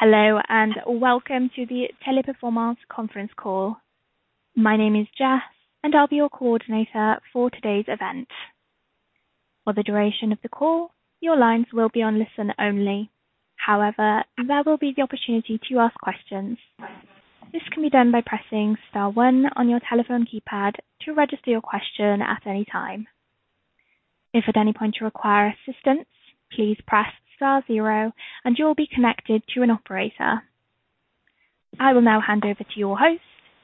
Hello, and welcome to the Teleperformance conference call. My name is Jess, and I'll be your coordinator for today's event. For the duration of the call, your lines will be on listen only. However, there will be the opportunity to ask questions. This can be done by pressing star one on your telephone keypad to register your question at any time. If at any point you require assistance, please press star zero and you will be connected to an operator. I will now hand over to your host,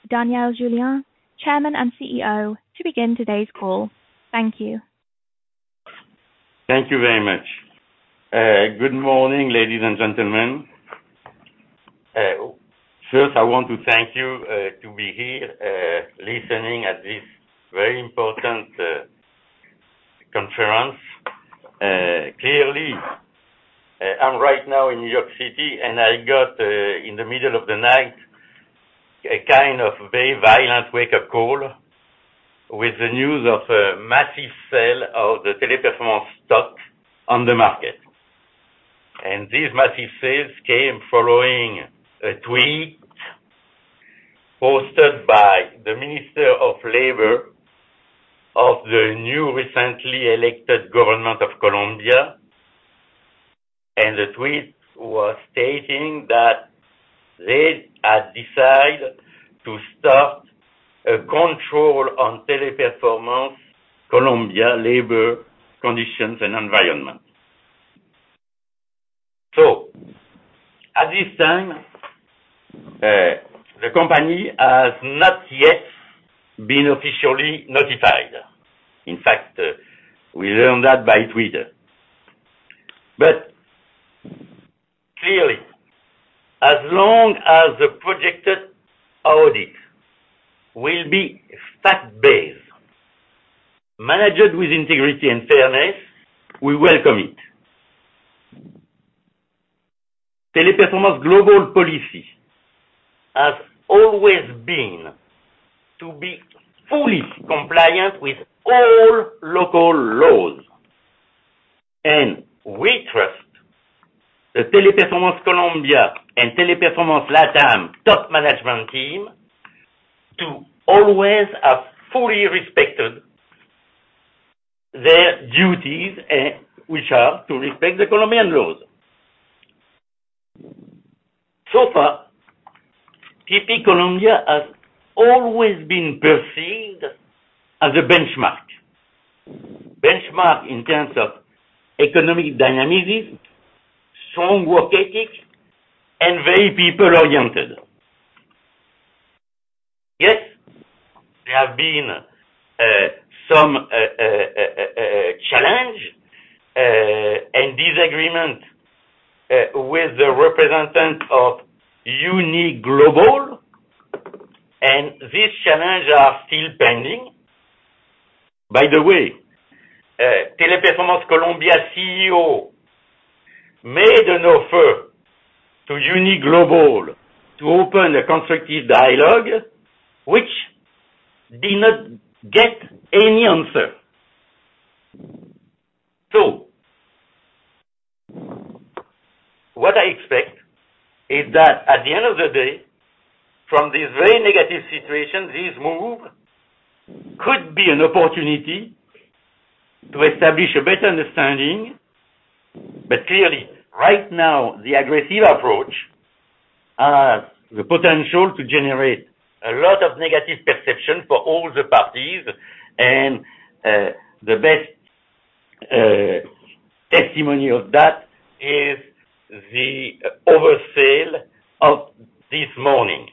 Daniel Julien, Chairman and CEO, to begin today's call. Thank you. Thank you very much. Good morning, ladies and gentlemen. First I want to thank you to be here, listening at this very important conference. Clearly, I'm right now in New York City, and I got, in the middle of the night, a kind of very violent wake-up call with the news of a massive sale of the Teleperformance stock on the market. These massive sales came following a tweet posted by the Minister of Labor of the new recently elected government of Colombia, and the tweet was stating that they had decided to start a control on Teleperformance Colombia Labor Conditions and Environment. At this time, the company has not yet been officially notified. In fact, we learned that by Twitter. Clearly, as long as the projected audit will be fact-based, managed with integrity and fairness, we welcome it. Teleperformance Global Policy has always been to be fully compliant with all local laws, and we trust the Teleperformance Colombia and Teleperformance LATAM Top Management team to always have fully respected their duties, which are to respect the Colombian laws. So far, TP Colombia has always been perceived as a benchmark. Benchmark in terms of economic dynamism, strong work ethics, and very people-oriented. Yes, there have been some challenge and disagreement with the representative of UNI Global and these challenges are still pending. By the way, Teleperformance Colombia CEO made an offer to UNI Global Union to open a constructive dialogue which did not get any answer. What I expect is that at the end of the day, from this very negative situation, this move could be an opportunity to establish a better understanding. Clearly, right now the aggressive approach has the potential to generate a lot of negative perception for all the parties and, the best testimony of that is the oversell of this morning.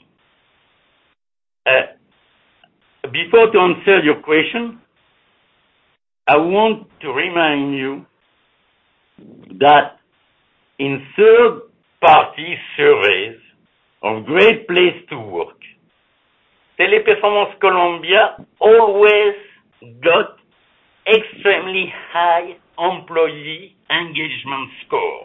Before to answer your question, I want to remind you that in third-party surveys of Great Place to Work, Teleperformance Colombia always got extremely high employee engagement score.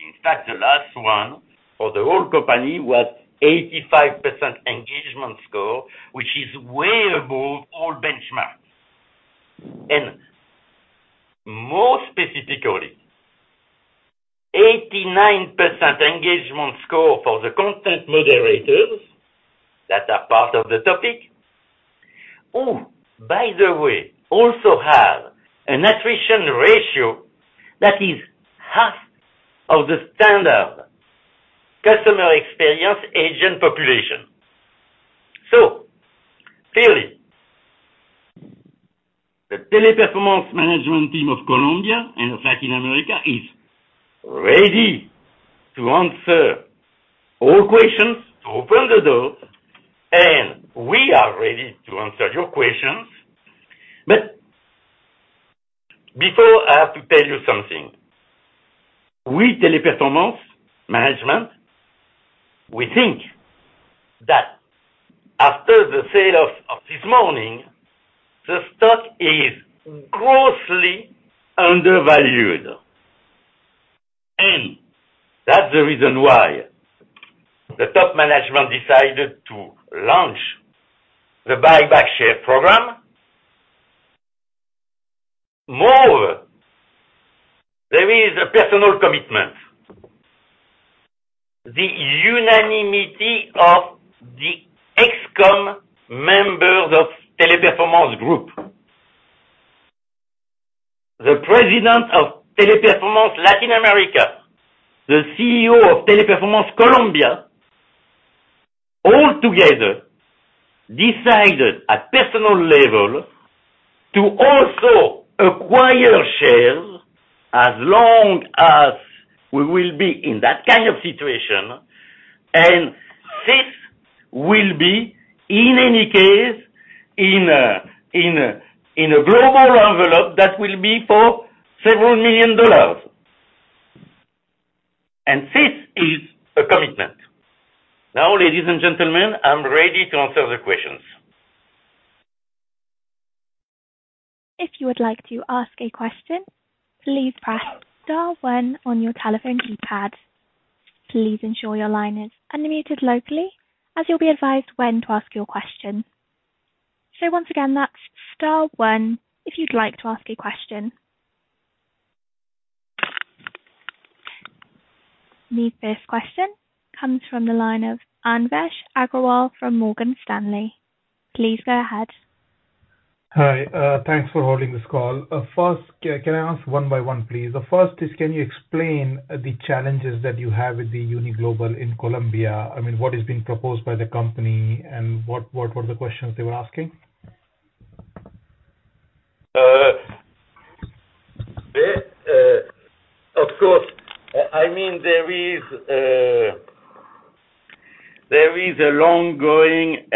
In fact, the last one for the whole company was 85% engagement score, which is way above all benchmarks. More specifically, 89% engagement score for the content moderators that are part of the topic, who by the way, also have an attrition ratio that is half of the standard customer experience agent population. Clearly, the Teleperformance management team of Colombia and of Latin America is ready to answer all questions, open the door, and we are ready to answer your questions. Before, I have to tell you something. We, Teleperformance management, we think that after the sale of this morning, the stock is grossly undervalued. That's the reason why the top management decided to launch the buyback share program. There is a personal commitment, the unanimity of the ExCom members of Teleperformance Group. The President of Teleperformance Latin America, the CEO of Teleperformance Colombia, all together decided at personal level to also acquire shares as long as we will be in that kind of situation, and this will be in any case, in a global envelope that will be for several million dollars. This is a commitment. Now, ladies and gentlemen, I'm ready to answer the questions. If you would like to ask a question, please press star one on your telephone keypad. Please ensure your line is unmuted locally as you'll be advised when to ask your question. Once again, that's star one, if you'd like to ask a question. The first question comes from the line of Anvesh Agrawal from Morgan Stanley. Please go ahead. Hi. Thanks for holding this call. First, can I ask one by one, please? The first is, can you explain the challenges that you have with the UNI Global in Colombia? I mean, what is being proposed by the company and what were the questions they were asking? Of course. I mean, there is an ongoing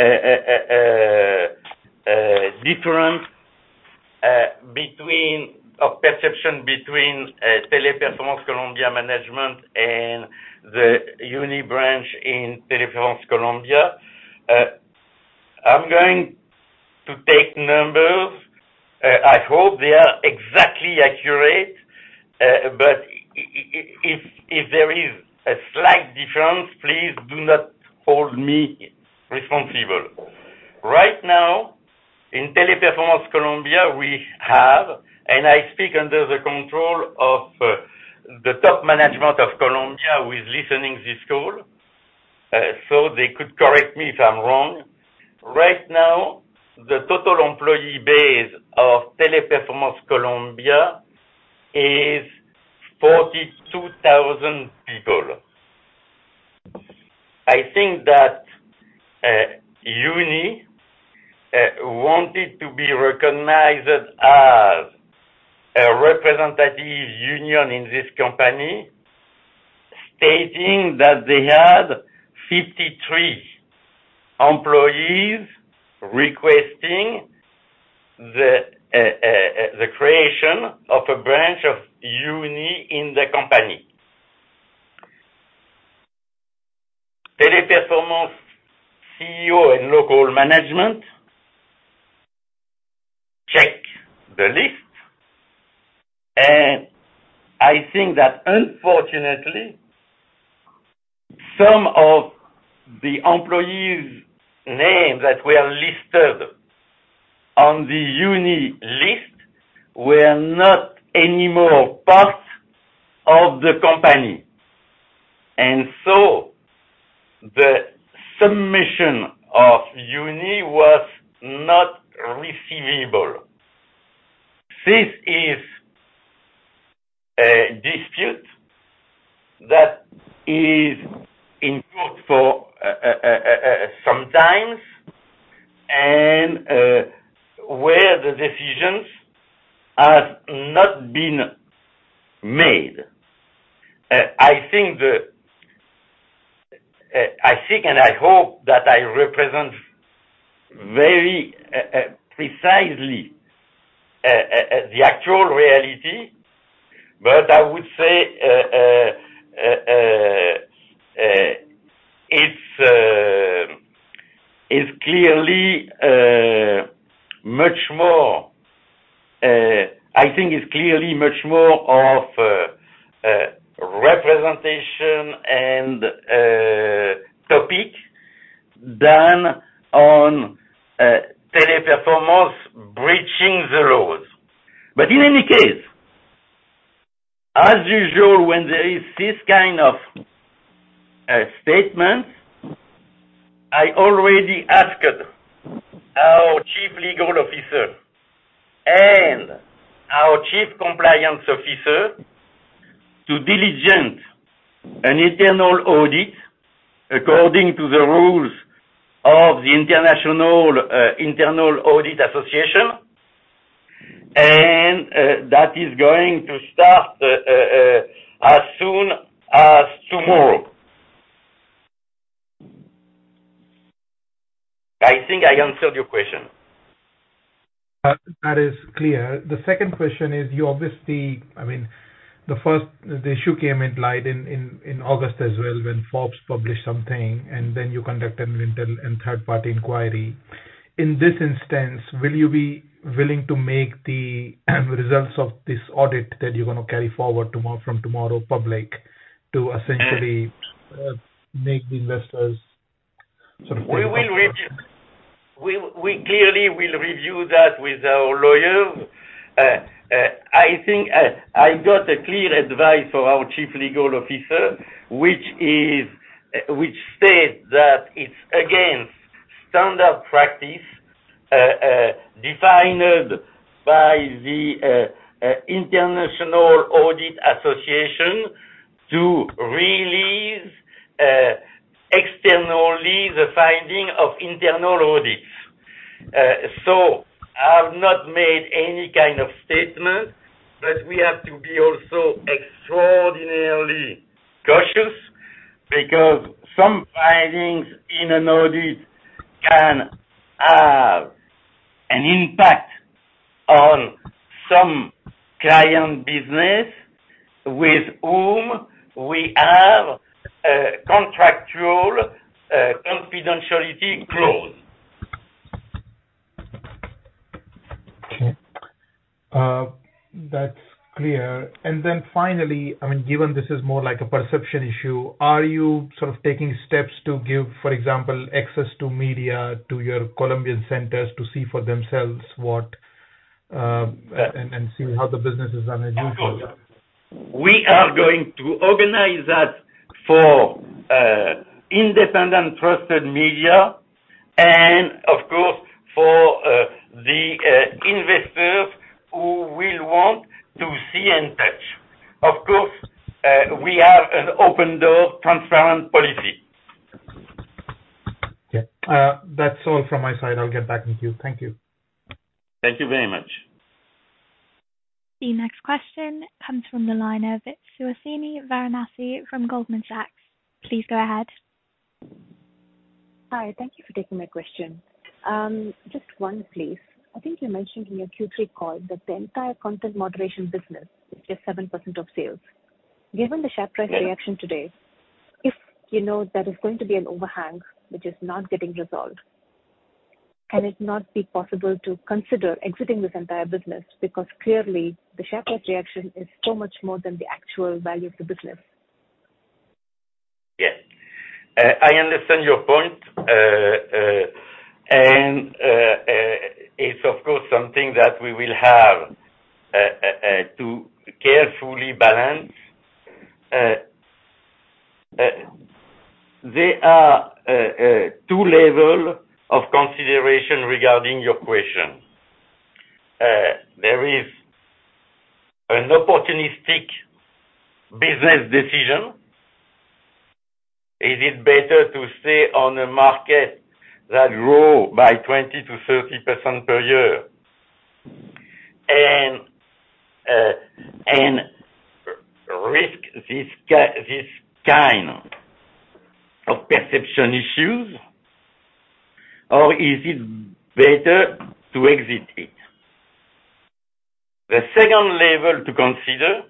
difference or perception between Teleperformance Colombia management and the UNI branch in Teleperformance Colombia. I'm going to take numbers. I hope they are exactly accurate. But if there is a slight difference, please do not hold me responsible. Right now, in Teleperformance Colombia, we have. I speak under the control of the top management of Colombia who is listening to this call, so they could correct me if I'm wrong. Right now, the total employee base of Teleperformance Colombia is 42,000 people. I think that UNI wanted to be recognized as a representative union in this company, stating that they had 53 employees requesting the creation of a branch of UNI in the company. Teleperformance CEO and local management check the list, and I think that unfortunately, some of the employees' names that were listed on the UNI list were not anymore part of the company. The submission of UNI was not receivable. This is a dispute that is in court for some times and where the decisions have not been made. I think and I hope that I represent very precisely the actual reality. I would say it's clearly much more of a representation and topic than Teleperformance breaching the rules. In any case, as usual, when there is this kind of statement, I already asked our Chief Legal Officer and our Chief Compliance Officer to diligence an internal audit according to the rules of the Institute of Internal Auditors. That is going to start as soon as tomorrow. I think I answered your question. That is clear. The second question is, you obviously, I mean, the issue came to light in August as well when Forbes published something and then you conducted an internal and third-party inquiry. In this instance, will you be willing to make the results of this audit that you're gonna carry forward from tomorrow public to essentially, make the investors sort of? We clearly will review that with our lawyers. I think I got a clear advice from our Chief Legal Officer, which states that it's against standard practice defined by the Institute of Internal Auditors to release externally the finding of internal audits. I have not made any kind of statement, but we have to be also extraordinarily cautious because some findings in an audit can have an impact on some client business with whom we have a contractual confidentiality clause. Okay. That's clear. Then finally, I mean, given this is more like a perception issue, are you sort of taking steps to give, for example, access to media, to your Colombian centers to see for themselves what, and see how the business is run as usual? Of course. We are going to organize that for independent trusted media, and of course for the investors who will want to see and touch. Of course, we have an open door transparent policy. Yeah. That's all from my side. I'll get back with you. Thank you. Thank you very much. The next question comes from the line of Suhasini Varanasi from Goldman Sachs. Please go ahead. Hi. Thank you for taking my question. Just one, please. I think you mentioned in your Q3 call that the entire Content Moderation business is just 7% of sales. Given the share price reaction today, if you know there is going to be an overhang which is not getting resolved. Can it not be possible to consider exiting this entire business? Because clearly the share price reaction is so much more than the actual value of the business. Yes. I understand your point. It's of course something that we will have to carefully balance. There are two level of consideration regarding your question. There is an opportunistic business decision. Is it better to stay on a market that grow by 20%-30% per year and risk this kind of perception issues, or is it better to exit it? The second level to consider,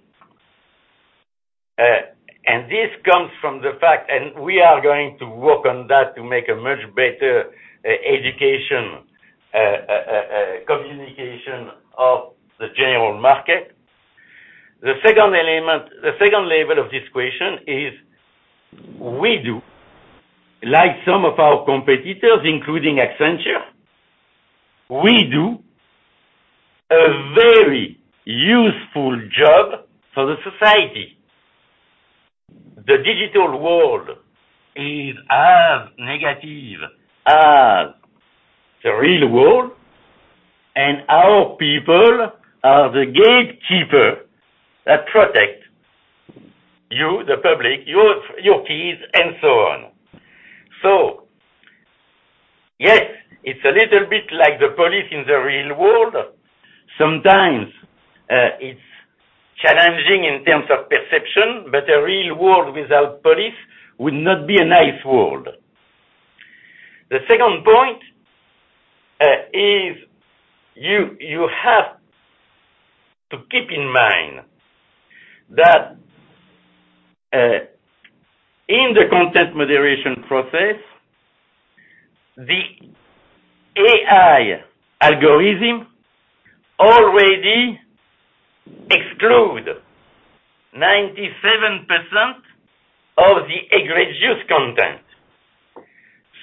and this comes from the fact and we are going to work on that to make a much better education, communication of the general market. The second level of this question is we do, like some of our competitors, including Accenture, we do a very useful job for the society. The digital world is as negative as the real world, and our people are the gatekeeper that protect you, the public, your kids and so on. Yes, it's a little bit like the police in the real world. Sometimes, it's challenging in terms of perception, but a real world without police would not be a nice world. The second point is you have to keep in mind that, in the Content Moderation process, the AI algorithm already exclude 97% of the egregious content.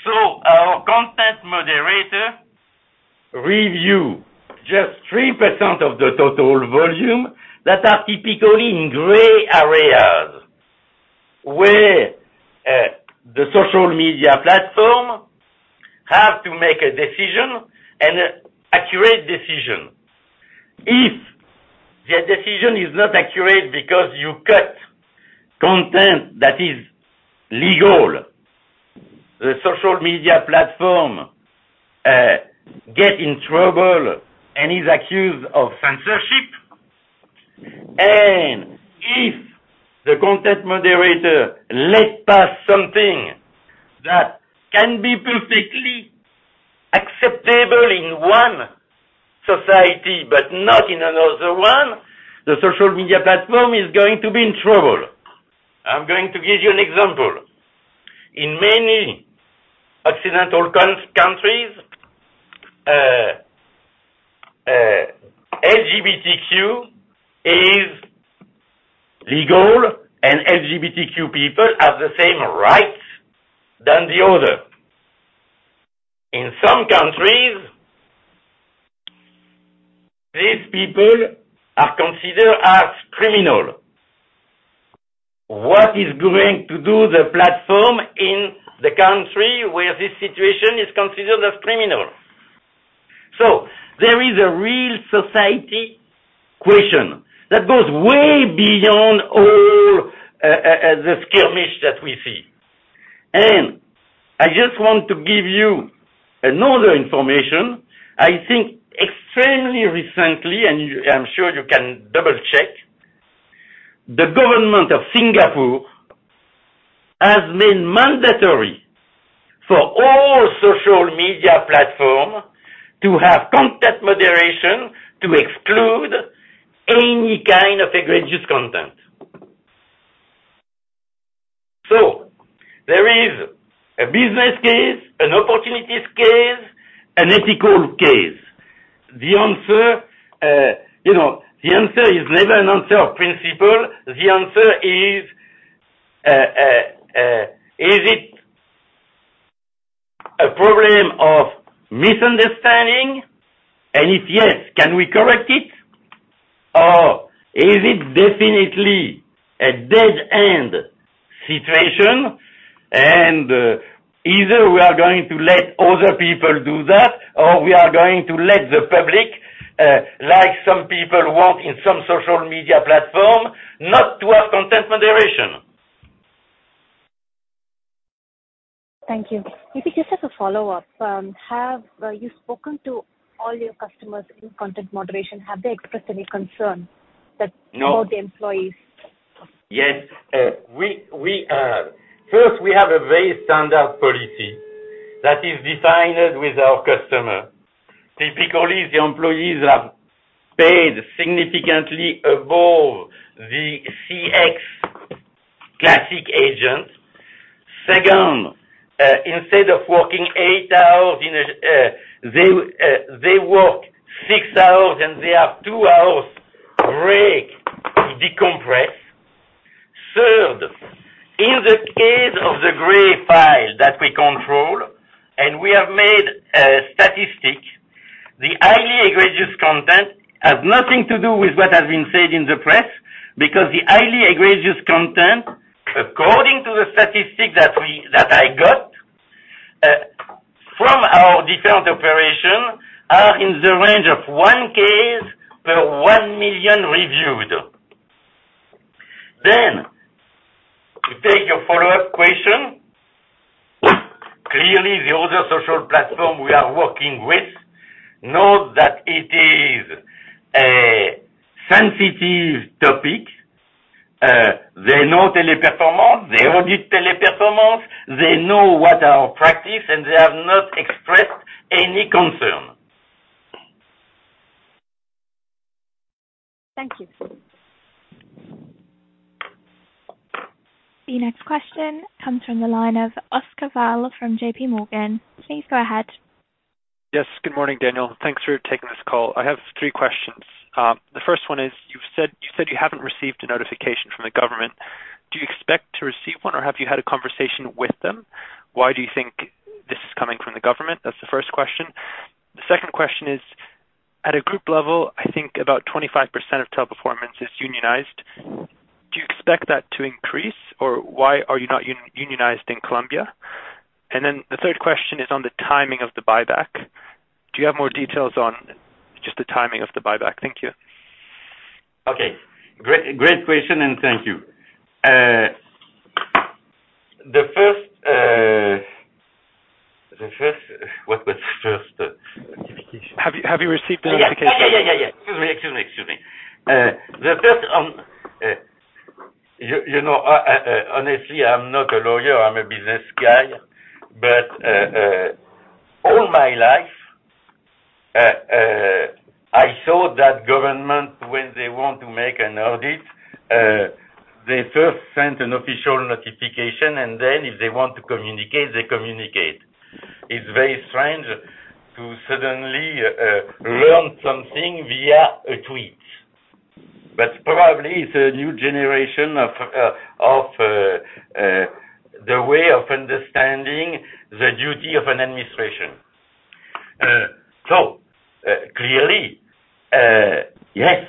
Our content moderator review just 3% of the total volume that are typically in gray areas, where the social media platform have to make a decision and accurate decision. If the decision is not accurate because you cut content that is legal, the social media platform get in trouble and is accused of censorship. If the content moderator let pass something that can be perfectly acceptable in one society but not in another one, the social media platform is going to be in trouble. I'm going to give you an example. In many Occidental countries, LGBTQ is legal and LGBTQ people have the same rights than the other. In some countries, these people are considered as criminal. What is going to do the platform in the country where this situation is considered as criminal? There is a real society question that goes way beyond all the skirmish that we see. I just want to give you another information. I think extremely recently, I'm sure you can double-check, the government of Singapore has made mandatory for all social media platform to have Content Moderation to exclude any kind of egregious content. There is a business case, an opportunities case, an ethical case. The answer, you know, the answer is never an answer of principle. The answer is it a problem of misunderstanding? If yes, can we correct it? Or is it definitely a dead-end situation and, either we are going to let other people do that, or we are going to let the public, like some people want in some social media platform not to have Content Moderation. Thank you. Yep, just as a follow-up, have you spoken to all your customers in Content Moderation? Have they expressed any concern that- No. About the employees? Yes. First, we have a very standard policy that is designed with our customer. Typically, the employees are paid significantly above the CX classic agent. Second, instead of working eight hours, they work six hours, and they have two hours break to decompress. Third, in the case of the gray file that we control, and we have made a statistic, the highly egregious content has nothing to do with what has been said in the press. Because the highly egregious content, according to the statistic that I got from our different operations, are in the range of one case per one million reviewed. To take your follow-up question, clearly the other social platform we are working with know that it is a sensitive topic. They know Teleperformance, they audit Teleperformance, they know what our practices are, and they have not expressed any concern. Thank you. The next question comes from the line of Oscar Val Mas from JPMorgan. Please go ahead. Yes. Good morning, Daniel. Thanks for taking this call. I have three questions. The first one is, you've said you haven't received a notification from the government. Do you expect to receive one, or have you had a conversation with them? Why do you think this is coming from the government? That's the first question. The second question is, at a group level, I think about 25% of Teleperformance is unionized. Do you expect that to increase? Or why are you not unionized in Colombia? And then the third question is on the timing of the buyback. Do you have more details on just the timing of the buyback? Thank you. Okay. Great, great question, and thank you. The first. What was first? Notification. Have you received a notification? Yeah. Excuse me. You know, honestly, I'm not a lawyer, I'm a business guy. All my life, I saw that government when they want to make an audit, they first send an official notification, and then if they want to communicate, they communicate. It's very strange to suddenly learn something via a tweet. Probably it's a new generation of the way of understanding the duty of an administration. Clearly, yes.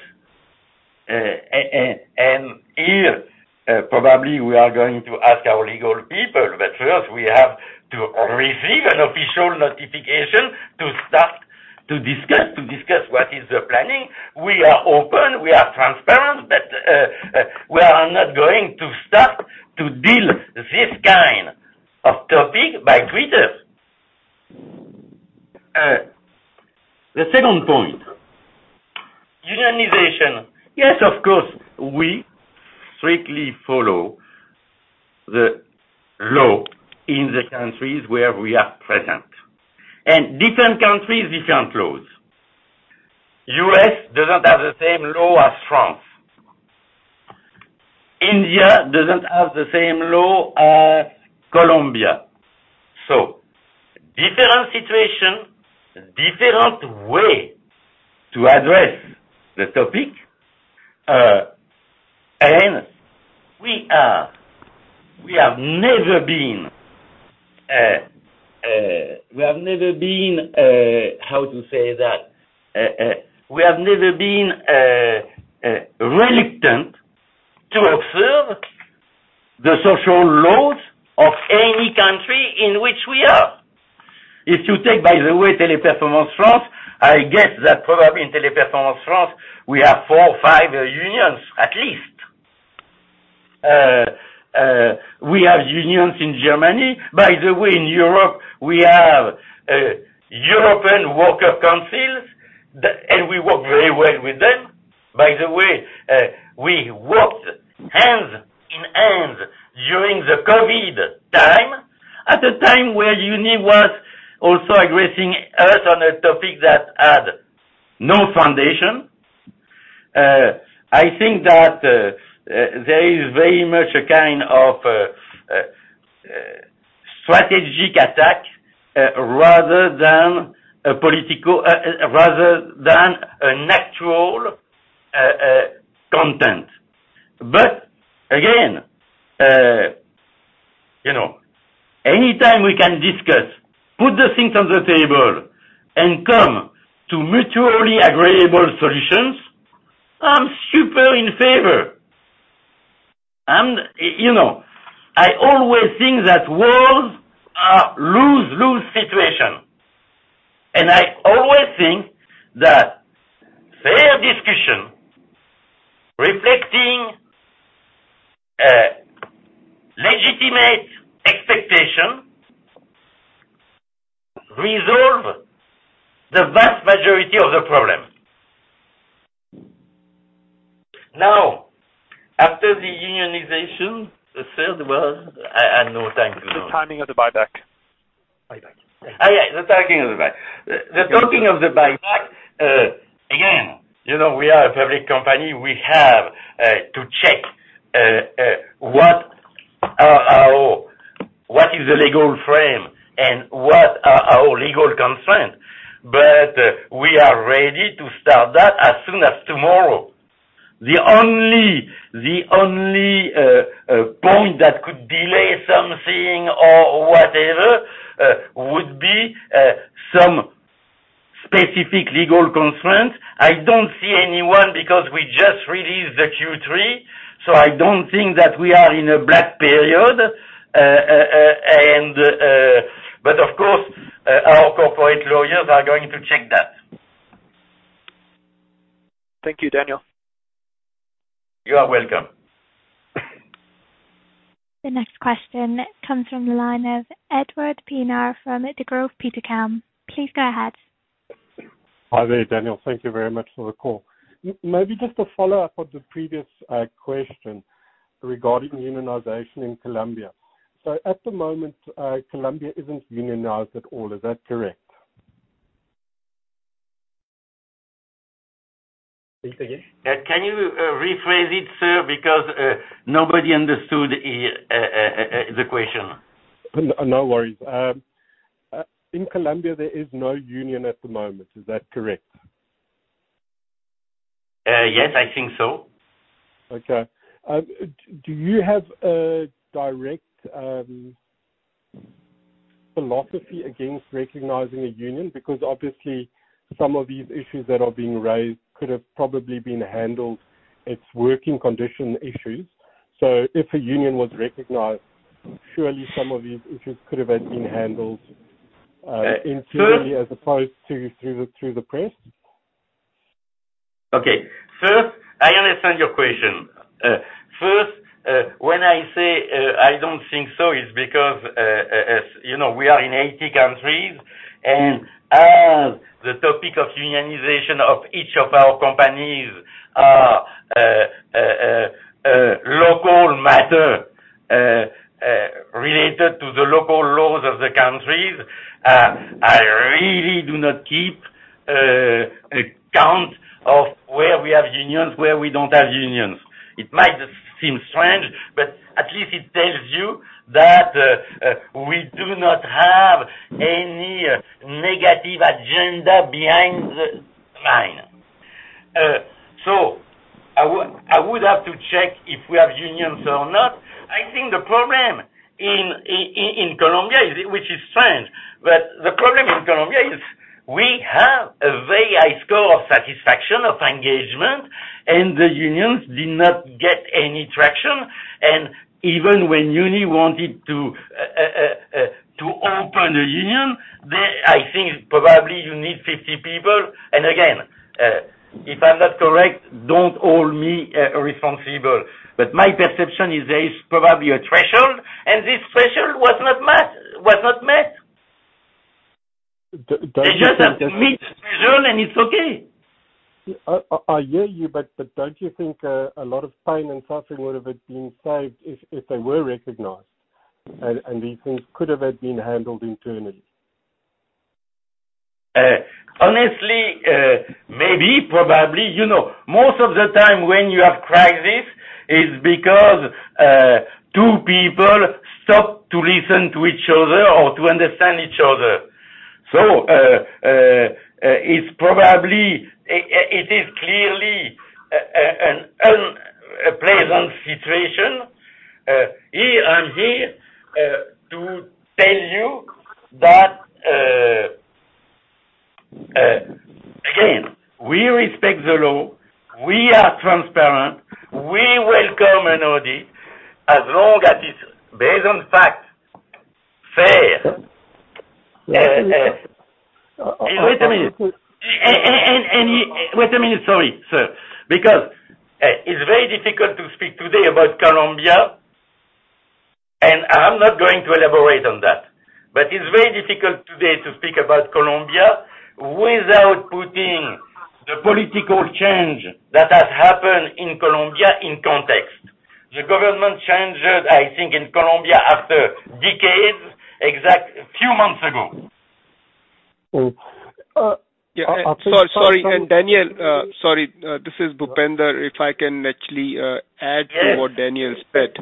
Here, probably we are going to ask our legal people, but first we have to receive an official notification to start to discuss what is the planning. We are open, we are transparent, but we are not going to start to deal this kind of topic by Twitter. The second point, unionization. Yes, of course, we strictly follow the law in the countries where we are present. Different countries, different laws. U.S. does not have the same law as France. India doesn't have the same law as Colombia. Different situation, different way to address the topic. We have never been reluctant to observe the social laws of any country in which we are. If you take, by the way, Teleperformance France, I guess that probably in Teleperformance France we have four or five unions at least. We have unions in Germany. By the way, in Europe, we have European Works Councils. We work very well with them. By the way, we worked hand in hand during the COVID time, at a time where UNI was also aggressing us on a topic that had no foundation. I think that there is very much a kind of strategic attack rather than a political rather than a natural content. Again, you know, anytime we can discuss, put the things on the table, and come to mutually agreeable solutions, I'm super in favor. You know, I always think that wars are lose-lose situation. I always think that fair discussion reflecting legitimate expectation resolve the vast majority of the problem. Now, after the unionization, the third was? I have no time. The timing of the buyback. The timing of the buyback, again, you know, we are a public company. We have to check what is the legal framework and what are our legal constraints. We are ready to start that as soon as tomorrow. The only point that could delay something or whatever would be some specific legal constraints. I don't see any because we just released the Q3, so I don't think that we are in a blackout period. Of course, our corporate lawyers are going to check that. Thank you, Daniel. You are welcome. The next question comes from the line of Ed Pienaar from Degroof Petercam. Please go ahead. Hi there, Daniel. Thank you very much for the call. Maybe just a follow-up on the previous question regarding unionization in Colombia. At the moment, Colombia isn't unionized at all. Is that correct? Can you rephrase it, sir, because nobody understood the question. No worries. In Colombia, there is no union at the moment. Is that correct? Yes, I think so. Okay. Do you have a direct philosophy against recognizing a union? Because obviously some of these issues that are being raised could have probably been handled as working condition issues. If a union was recognized, surely some of these issues could have been handled internally. First. As opposed to through the press. Okay. First I understand your question. First, when I say I don't think so, it's because you know, we are in 80 countries and as the topic of unionization of each of our companies are local matter related to the local laws of the countries. I really do not keep account of where we have unions, where we don't have unions. It might seem strange, but at least it tells you that we do not have any negative agenda behind the line. I would have to check if we have unions or not. I think the problem in Colombia is, which is strange, but the problem in Colombia is we have a very high score of satisfaction of engagement and the unions did not get any traction. Even when UNI wanted to open a union, they. I think probably you need 50 people. Again, if I'm not correct, don't hold me responsible. My perception is there is probably a threshold, and this threshold was not met. Don't you think that? They just have to meet the threshold and it's okay. I hear you, but don't you think a lot of pain and suffering would have been saved if they were recognized. And these things could have been handled internally? Honestly, maybe probably, you know, most of the time when you have crisis is because two people stop to listen to each other or to understand each other. It's probably it is clearly an unpleasant situation. I'm here to tell you that, again, we respect the law. We are transparent. We welcome an audit as long as it's based on fact, fair. Wait a minute. Sorry, sir. It's very difficult to speak today about Colombia, and I'm not going to elaborate on that. It's very difficult today to speak about Colombia without putting the political change that has happened in Colombia in context. The government changes, I think in Colombia after decades, exact few months ago. Uh, please. So sorry Daniel. Sorry, this is Bhupender. If I can actually add to what Daniel said.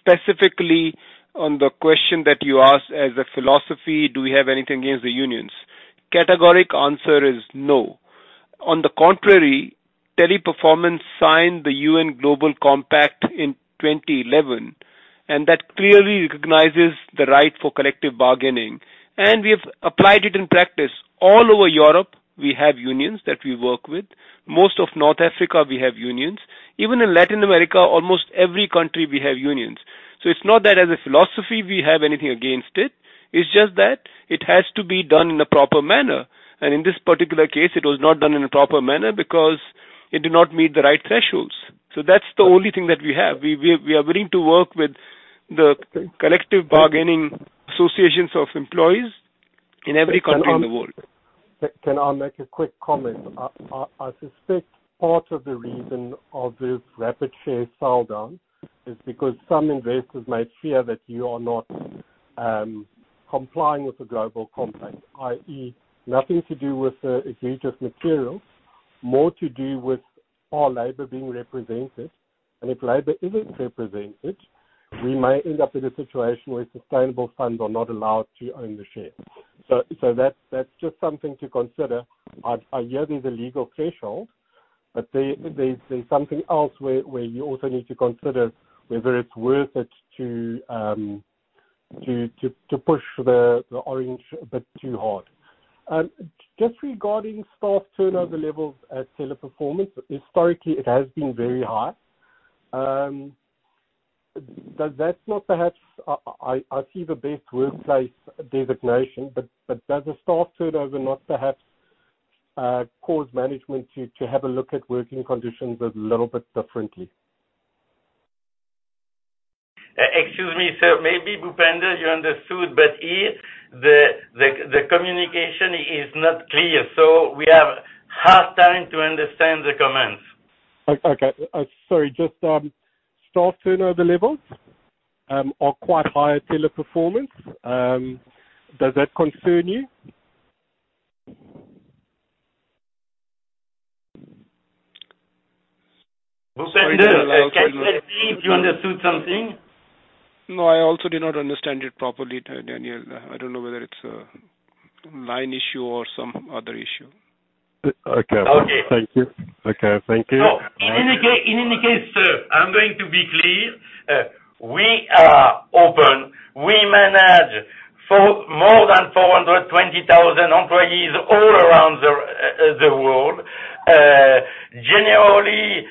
Specifically on the question that you asked as a philosophy, do we have anything against the unions? Categorical answer is no. On the contrary, Teleperformance signed the UN Global Compact in 2011, and that clearly recognizes the right for collective bargaining, and we have applied it in practice. All over Europe, we have unions that we work with. Most of North Africa, we have unions. Even in Latin America, almost every country, we have unions. It's not that as a philosophy, we have anything against it's just that it has to be done in a proper manner. In this particular case, it was not done in a proper manner because it did not meet the right thresholds. That's the only thing that we have. We are willing to work with the collective bargaining associations of employees in every country in the world. Can I make a quick comment? I suspect part of the reason for this rapid share sell-down is because some investors may fear that you are not complying with the Global Compact, i.e., nothing to do with the abuse of materials, more to do with your labor being represented. If labor isn't represented, we may end up in a situation where sustainable funds are not allowed to own the shares. That's just something to consider. I hear there's a legal threshold, but there's something else where you also need to consider whether it's worth it to push the envelope a bit too hard. Just regarding staff turnover levels at Teleperformance, historically, it has been very high. I see the best workplace designation, but does the staff turnover not perhaps cause management to have a look at working conditions a little bit differently? Excuse me, sir. Maybe Bhupender, you understood, but here the communication is not clear, so we have hard time to understand the comments. Sorry. Staff turnover levels are quite high at Teleperformance. Does that concern you? Bhupender, do you understand something? No, I also did not understand it properly, Daniel. I don't know whether it's a line issue or some other issue. Okay. Okay. Thank you. Okay, thank you. In any case, sir, I'm going to be clear. We are open. We manage more than 420,000 employees all around the world. Generally,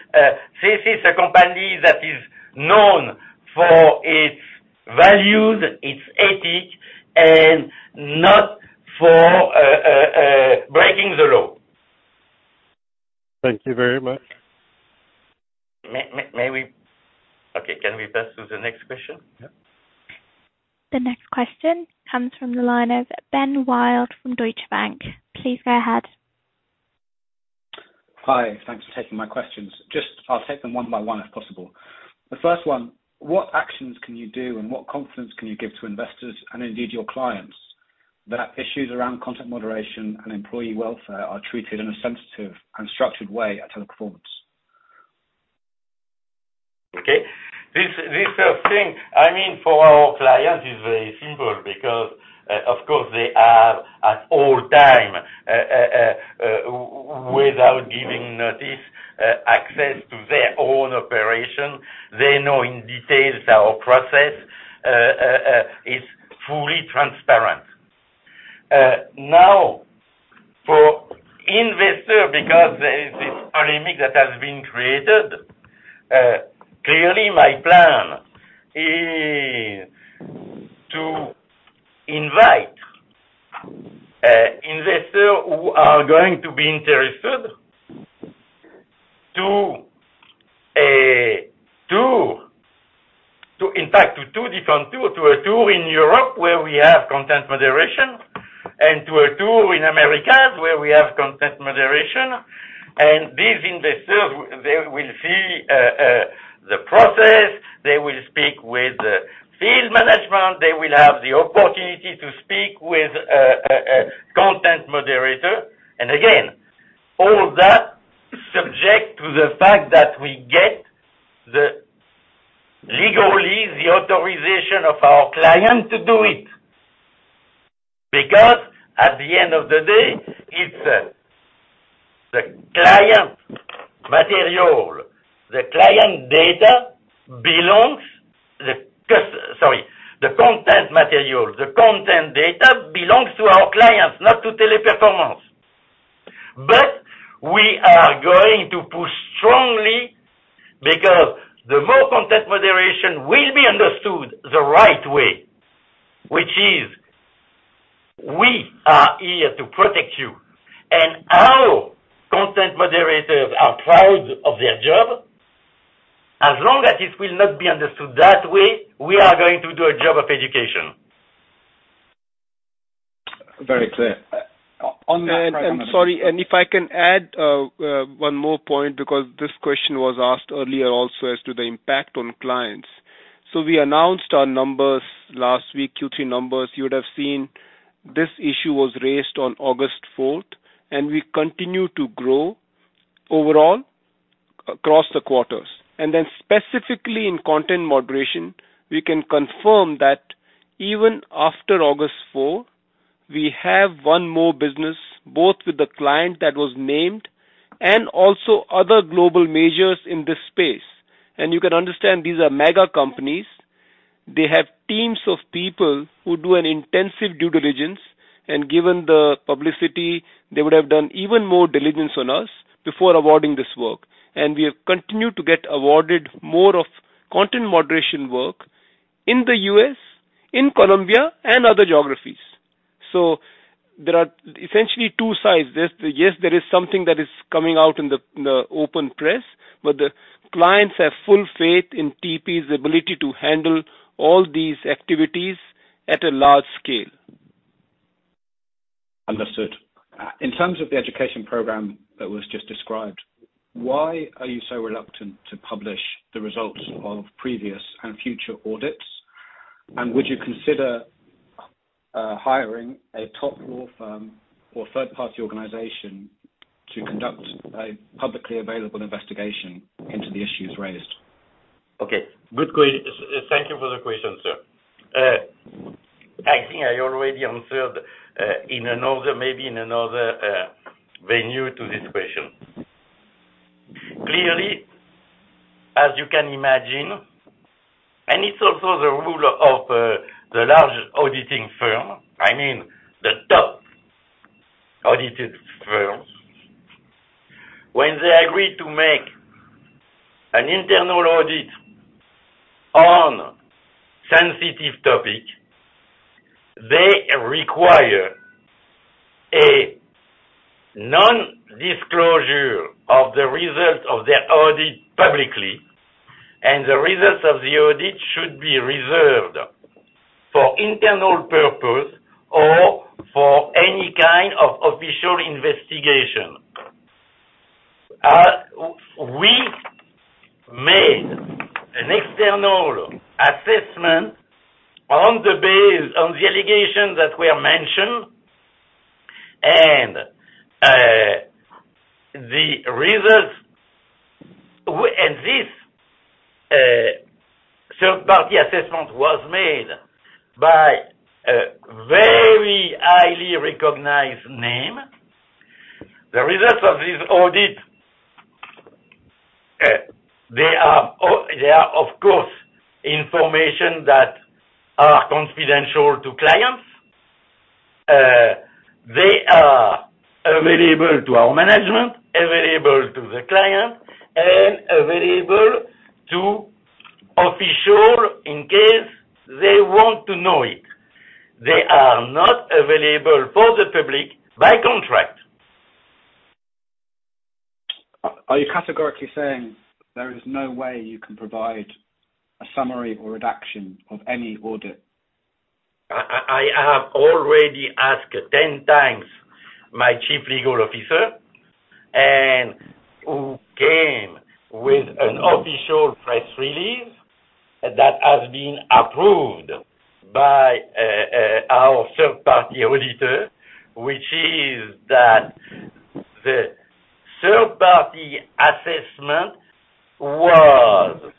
this is a company that is known for its values, its ethics, and not for breaking the law. Thank you very much. Okay, can we pass to the next question? Yeah. The next question comes from the line of Ben Wild from Deutsche Bank. Please go ahead. Hi. Thanks for taking my questions. Just I'll take them one by one, if possible. The first one, what actions can you do and what confidence can you give to investors and indeed your clients that issues around Content Moderation and employee welfare are treated in a sensitive and structured way at Teleperformance? Okay. This thing, I mean, for our clients is very simple because, of course, they have at all times, without giving notice, access to their own operation. They know in detail our process is fully transparent. Now for investors, because there is this pandemic that has been created, clearly my plan is to invite investors who are going to be interested, in fact, in two different tours: a tour in Europe where we have Content Moderation. And a tour in America, Content Moderation. These investors, they will see the process, they will speak with the field management, they will have the opportunity to speak with a content moderator. Again, all that subject to the fact that we get the legal authorization of our client to do it. Because at the end of the day, the content material, the content data belongs to our clients, not to Teleperformance. We are going to push strongly because the more Content Moderation will be understood the right way, which is we are here to protect you and our content moderators are proud of their job. As long as it will not be understood that way, we are going to do a job of education. Very clear. On that front. Sorry. If I can add one more point, because this question was asked earlier also as to the impact on clients. We announced our numbers last week, Q3 numbers. You would have seen this issue was raised on August 4th, and we continue to grow overall across the quarters. Specifically in Content Moderation, we can confirm that even after August 4, we have won more business, both with the client that was named and also other global majors in this space. You can understand these are mega companies. They have teams of people who do an intensive due diligence, and given the publicity, they would have done even more diligence on us before awarding this work. We have continued to get awarded more Content Moderation work in the U.S., in Colombia and other geographies. There are essentially two sides. Yes, there is something that is coming out in the open press, but the clients have full faith in TP's ability to handle all these activities at a large scale. Understood. In terms of the education program that was just described, why are you so reluctant to publish the results of previous and future audits? Would you consider hiring a top law firm or third-party organization to conduct a publicly available investigation into the issues raised? Okay. Thank you for the question, sir. I think I already answered in another, maybe in another, venue to this question. Clearly, as you can imagine, it's also the rule of the large auditing firm, I mean, the top auditing firms. When they agree to make an internal audit on a sensitive topic, they require a non-disclosure of the results of their audit publicly, and the results of the audit should be reserved for internal purposes or for any kind of official investigation. We made an external assessment on the basis, on the allegations that were mentioned. This third-party assessment was made by a very highly recognized name. The results of this audit, they are, of course, information that are confidential to clients. They are available to our management, available to the client, and available to officials in case they want to know it. They are not available for the public by contract. Are you categorically saying there is no way you can provide a summary or reduction of any audit? I have already asked 10x my Chief Legal Officer and who came with an official press release that has been approved by our third-party auditor, which is that the third-party assessment was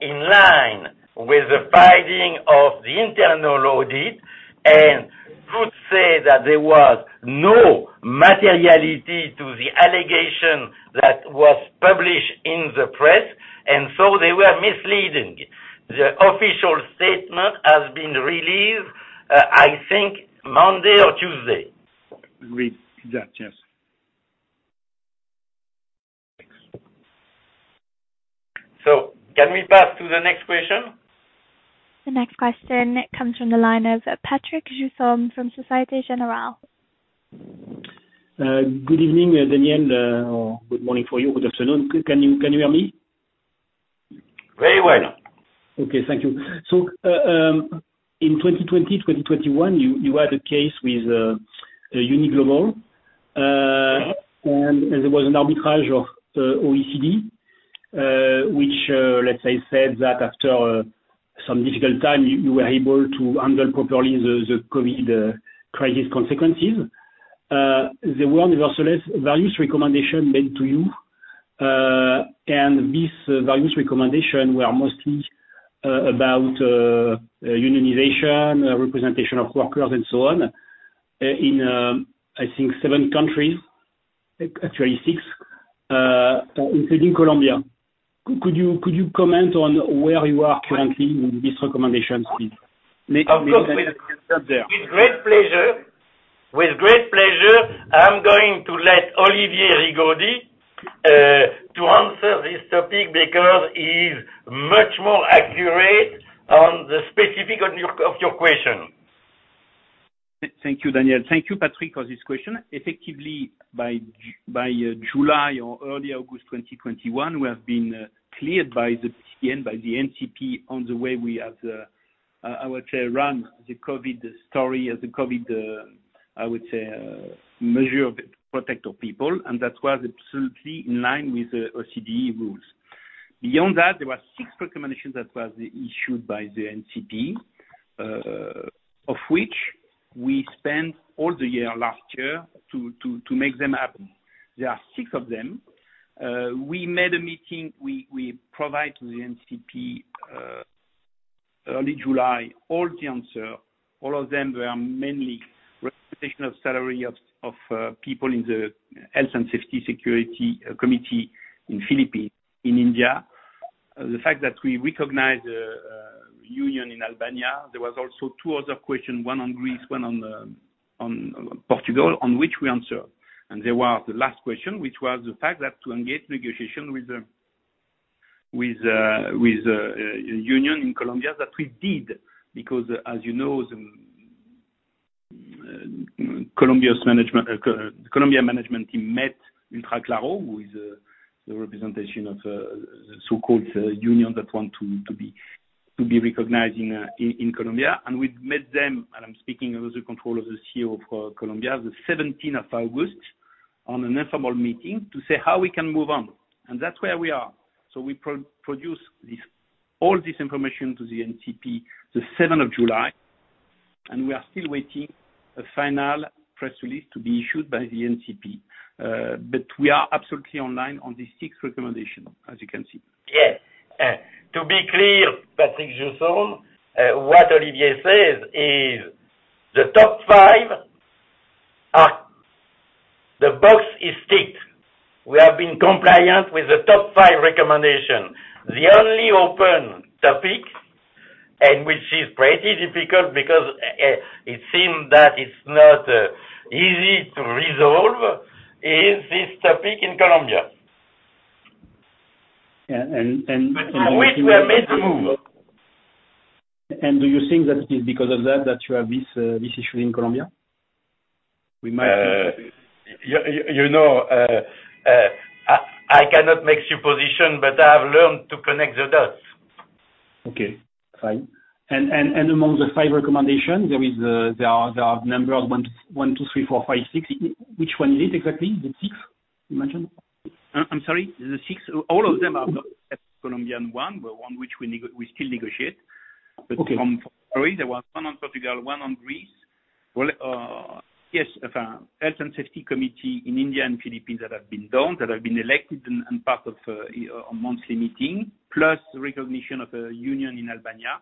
in line with the finding of the internal audit and could say that there was no materiality to the allegation that was published in the press, and so they were misleading. The official statement has been released, I think Monday or Tuesday. Agreed. That, yes. Thanks. Can we pass to the next question? The next question comes from the line of Patrick Jousseaume from Société Générale. Good evening, Daniel. Good morning for you. Good afternoon. Can you hear me? Very well. Okay, thank you. In 2020, 2021, you had a case with a UNI Global Union, and there was an arbitration of OECD, which let's say said that after some difficult time you were able to handle properly the COVID crisis consequences. There were nevertheless various recommendations made to you. These various recommendations were mostly about unionization, representation of workers and so on, in I think seven countries, actually six, including Colombia. Could you comment on where you are currently in these recommendations, please? Of course, with great pleasure, I'm going to let Olivier Rigaudy to answer this topic because he's much more accurate on the specific of your question. Thank you, Daniel. Thank you, Patrick, for this question. Effectively, by July or early August 2021, we have been cleared by the PN, by the NCP on the way we have ran the COVID story or the COVID protective measures for people, and that was absolutely in line with the OECD rules. Beyond that, there were six recommendations that was issued by the NCP, of which we spent all of last year to make them happen. There are six of them. We had a meeting. We provided to the NCP early July all the answers. All of them were mainly reimbursement of salary of people in the Health and Safety Committee in the Philippines, in India. The fact that we recognize union in Albania. There was also two other question, one on Greece, one on Portugal, on which we answer. There was the last question, which was the fact that to engage negotiation with a union in Colombia that we did, because as you know, the Colombia management team met in Utraclaro, who is the representation of the so-called union that want to be recognized in Colombia. We met them. I'm speaking as a Controller of the CEO for Colombia, the 17th of August on an informal meeting to say how we can move on. That's where we are. We produce this, all this information to the NCP, the 7th of July, and we are still waiting for a final press release to be issued by the NCP. We are absolutely in line on these six recommendations, as you can see. Yes. To be clear, Patrick Jousseaume, what Olivier says is the top five are. The box is ticked. We have been compliant with the top five recommendation. The only open topic, and which is pretty difficult because it seems that it's not easy to resolve, is this topic in Colombia. Yeah. For which we have made the move. Do you think that it is because of that you have this issue in Colombia? We might You know, I cannot make supposition, but I have learned to connect the dots. Okay. Fine. Among the five recommendations, there are number of 1, 2, 3, 4, 5, 6. Which one is it exactly? The six you mentioned? I'm sorry. The six, all of them are Colombian one, but one which we still negotiate. Okay. From three, there was one on Portugal, one on Greece. Health & Safety Committee in India and Philippines that have been elected and part of a monthly meeting, plus recognition of a union in Albania,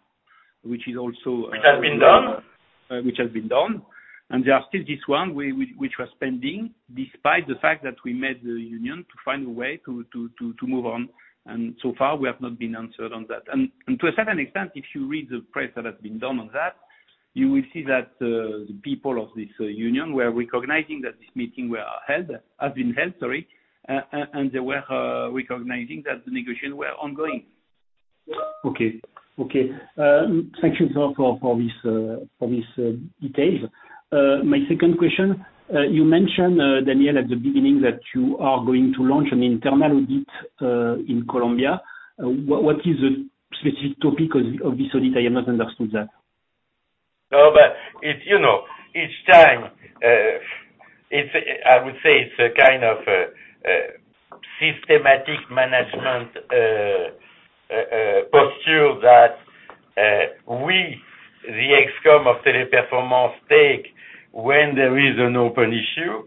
which is also. Which has been done. Which has been done. There are still this one, which we're spending despite the fact that we met the union to find a way to move on. So far we have not been answered on that. To a certain extent, if you read the press that has been done on that, you will see that the people of this union were recognizing that this meeting has been held, sorry. They were recognizing that the negotiations were ongoing. Okay. Thank you, sir, for this details. My second question, you mentioned, Daniel, at the beginning that you are going to launch an internal audit in Colombia. What is the specific topic of this audit? I have not understood that. It's, you know, each time, it's, I would say it's a kind of systematic management posture that we, the ExCom of Teleperformance, take when there is an open issue,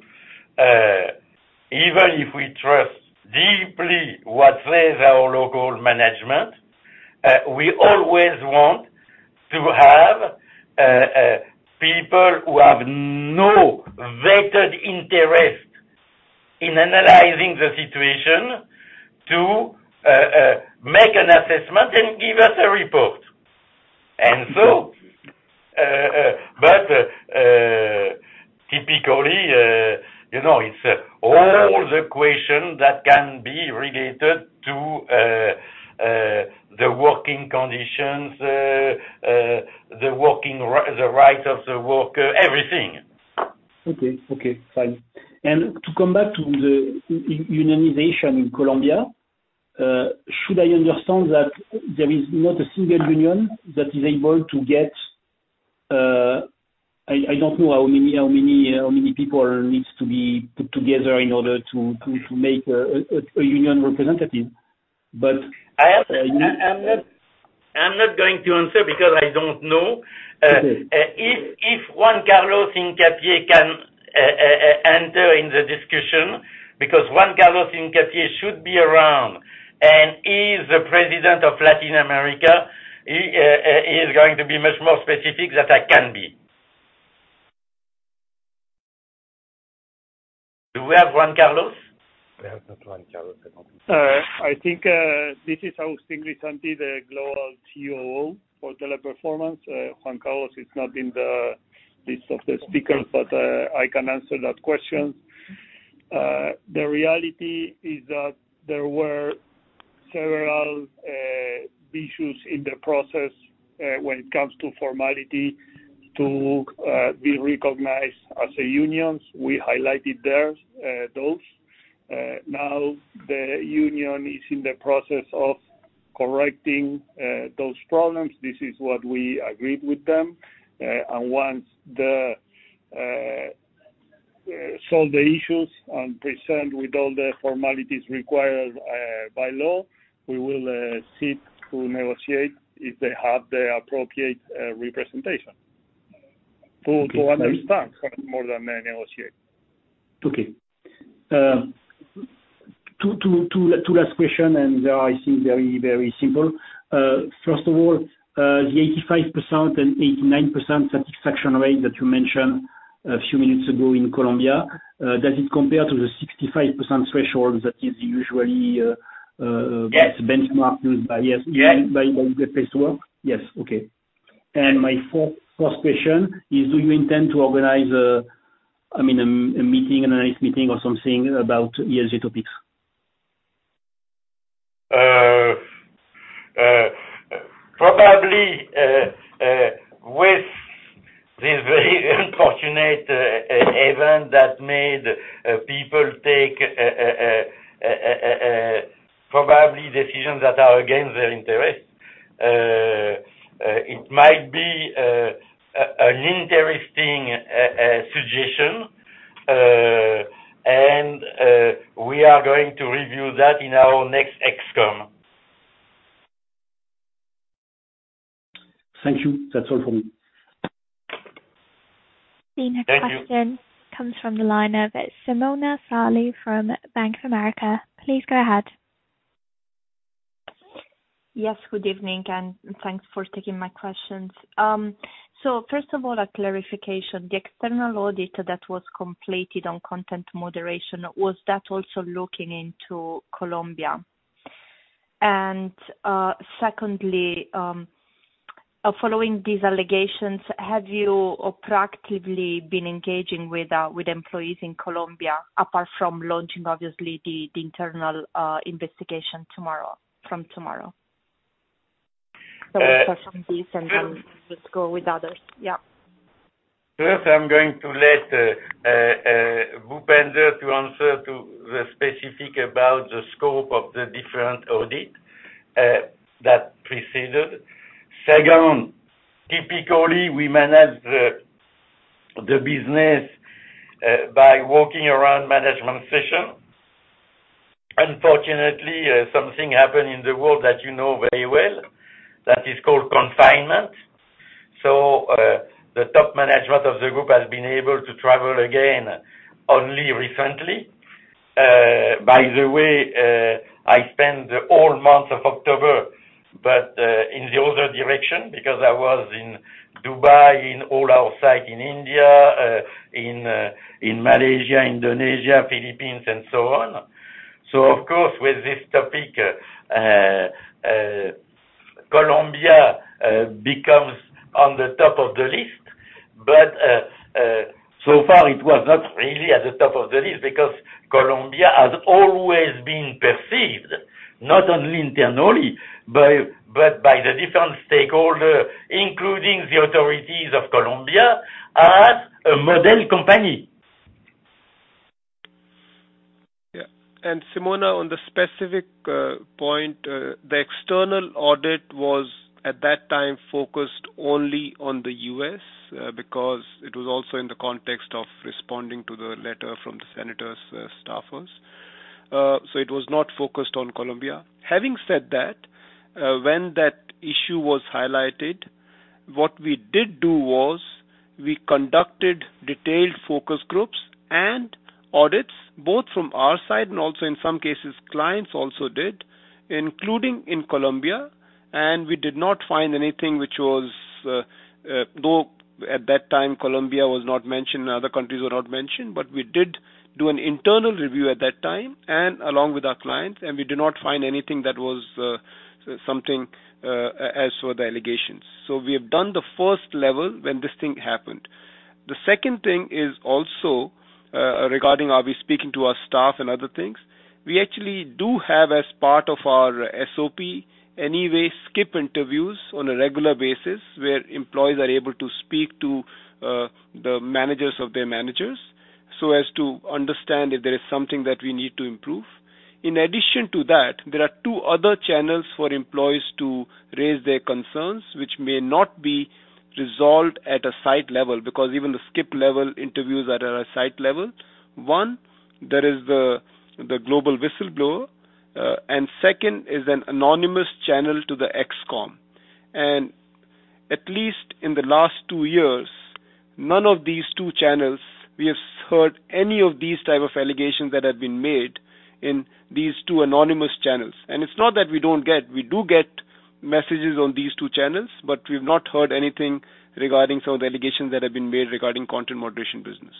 even if we trust deeply what says our local management, we always want to have people who have no vested interest in analyzing the situation to make an assessment and give us a report. Typically, you know, it's all the question that can be related to the working conditions, the right of the worker, everything. Okay. Okay, fine. To come back to the unionization in Colombia, should I understand that there is not a single union that is able to get. I don't know how many people needs to be put together in order to make a union representative? I'm not going to answer because I don't know. Okay. If Juan Carlos Hincapié can enter in the discussion, because Juan Carlos Hincapié should be around and he is the President of Latin America. He is going to be much more specific than I can be. Do we have Juan Carlos? We do not have Juan Carlos at the moment. I think this is Agustin Grisanti, the Global COO for Teleperformance. Juan Carlos Hincapié is not in the list of the speakers, but I can answer that question. The reality is that there were several issues in the process when it comes to formalities to be recognized as a union. We highlighted those. Now the union is in the process of correcting those problems. This is what we agreed with them. Once they solve the issues and present with all the formalities required by law, we will seek to negotiate if they have the appropriate representation. Okay. To understand more than negotiate. Okay. Two last question, and they are I think it is very simple. First of all, the 85% and 89% satisfaction rate that you mentioned a few minutes ago in Colombia, does it compare to the 65% threshold that is usually? Yes. That's benchmarked by yes? Yes. By the best work? Yes. Okay. My first question is, do you intend to organize, I mean, a meeting, a nice meeting or something about ESG topics? Probably with this very unfortunate event that made people take probably decisions that are against their interest, it might be an interesting suggestion. We are going to review that in our next ExCom. Thank you. That's all from me. Thank you. The next question comes from the line of Simona Sarli from Bank of America. Please go ahead. Yes, good evening, and thanks for taking my questions. First of all, a clarification. The external auditor that was completed on Content Moderation, was that also looking into Colombia? Secondly, following these allegations, have you proactively been engaging with employees in Colombia, apart from launching obviously the internal investigation tomorrow, from tomorrow? Let's start from this and then let's go with others. Yeah. First, I'm going to let Bhupender to answer to the specific about the scope of the different audit that preceded. Second, typically we manage the business by working around management session. Unfortunately, something happened in the world that you know very well, that is called confinement. The Top Management of the group has been able to travel again only recently. By the way, I spent the whole month of October, but in the other direction because I was in Dubai, in all our site in India, in Malaysia, Indonesia, Philippines and so on. Of course, with this topic, Colombia becomes on the top of the list. So far it was not really at the top of the list because Colombia has always been perceived, not only internally, but by the different stakeholder, including the authorities of Colombia, as a model company. Yeah. Simona, on the specific point, the external audit was at that time focused only on the U.S., because it was also in the context of responding to the letter from the senators' staffers. It was not focused on Colombia. Having said that, when that issue was highlighted, what we did do was we conducted detailed focus groups and audits, both from our side and also in some cases clients also did, including in Colombia. We did not find anything which was, though at that time Colombia was not mentioned, other countries were not mentioned, but we did do an internal review at that time and along with our clients, and we did not find anything that was, something, as for the allegations. We have done the first level when this thing happened. The second thing is also regarding are we speaking to our staff and other things. We actually do have as part of our SOP anyway skip interviews on a regular basis where employees are able to speak to, the managers of their managers so as to understand if there is something that we need to improve. In addition to that, there are two other channels for employees to raise their concerns, which may not be resolved at a site level because even the skip level interviews are at a site level. One, there is the global whistleblower, and second is an anonymous channel to the ExCom. At least in the last two years, none of these two channels, we have heard any of these type of allegations that have been made in these two anonymous channels. It's not that we don't get. We do get messages on these two channels, but we've not heard anything regarding some of the allegations that have been made regarding Content Moderation business.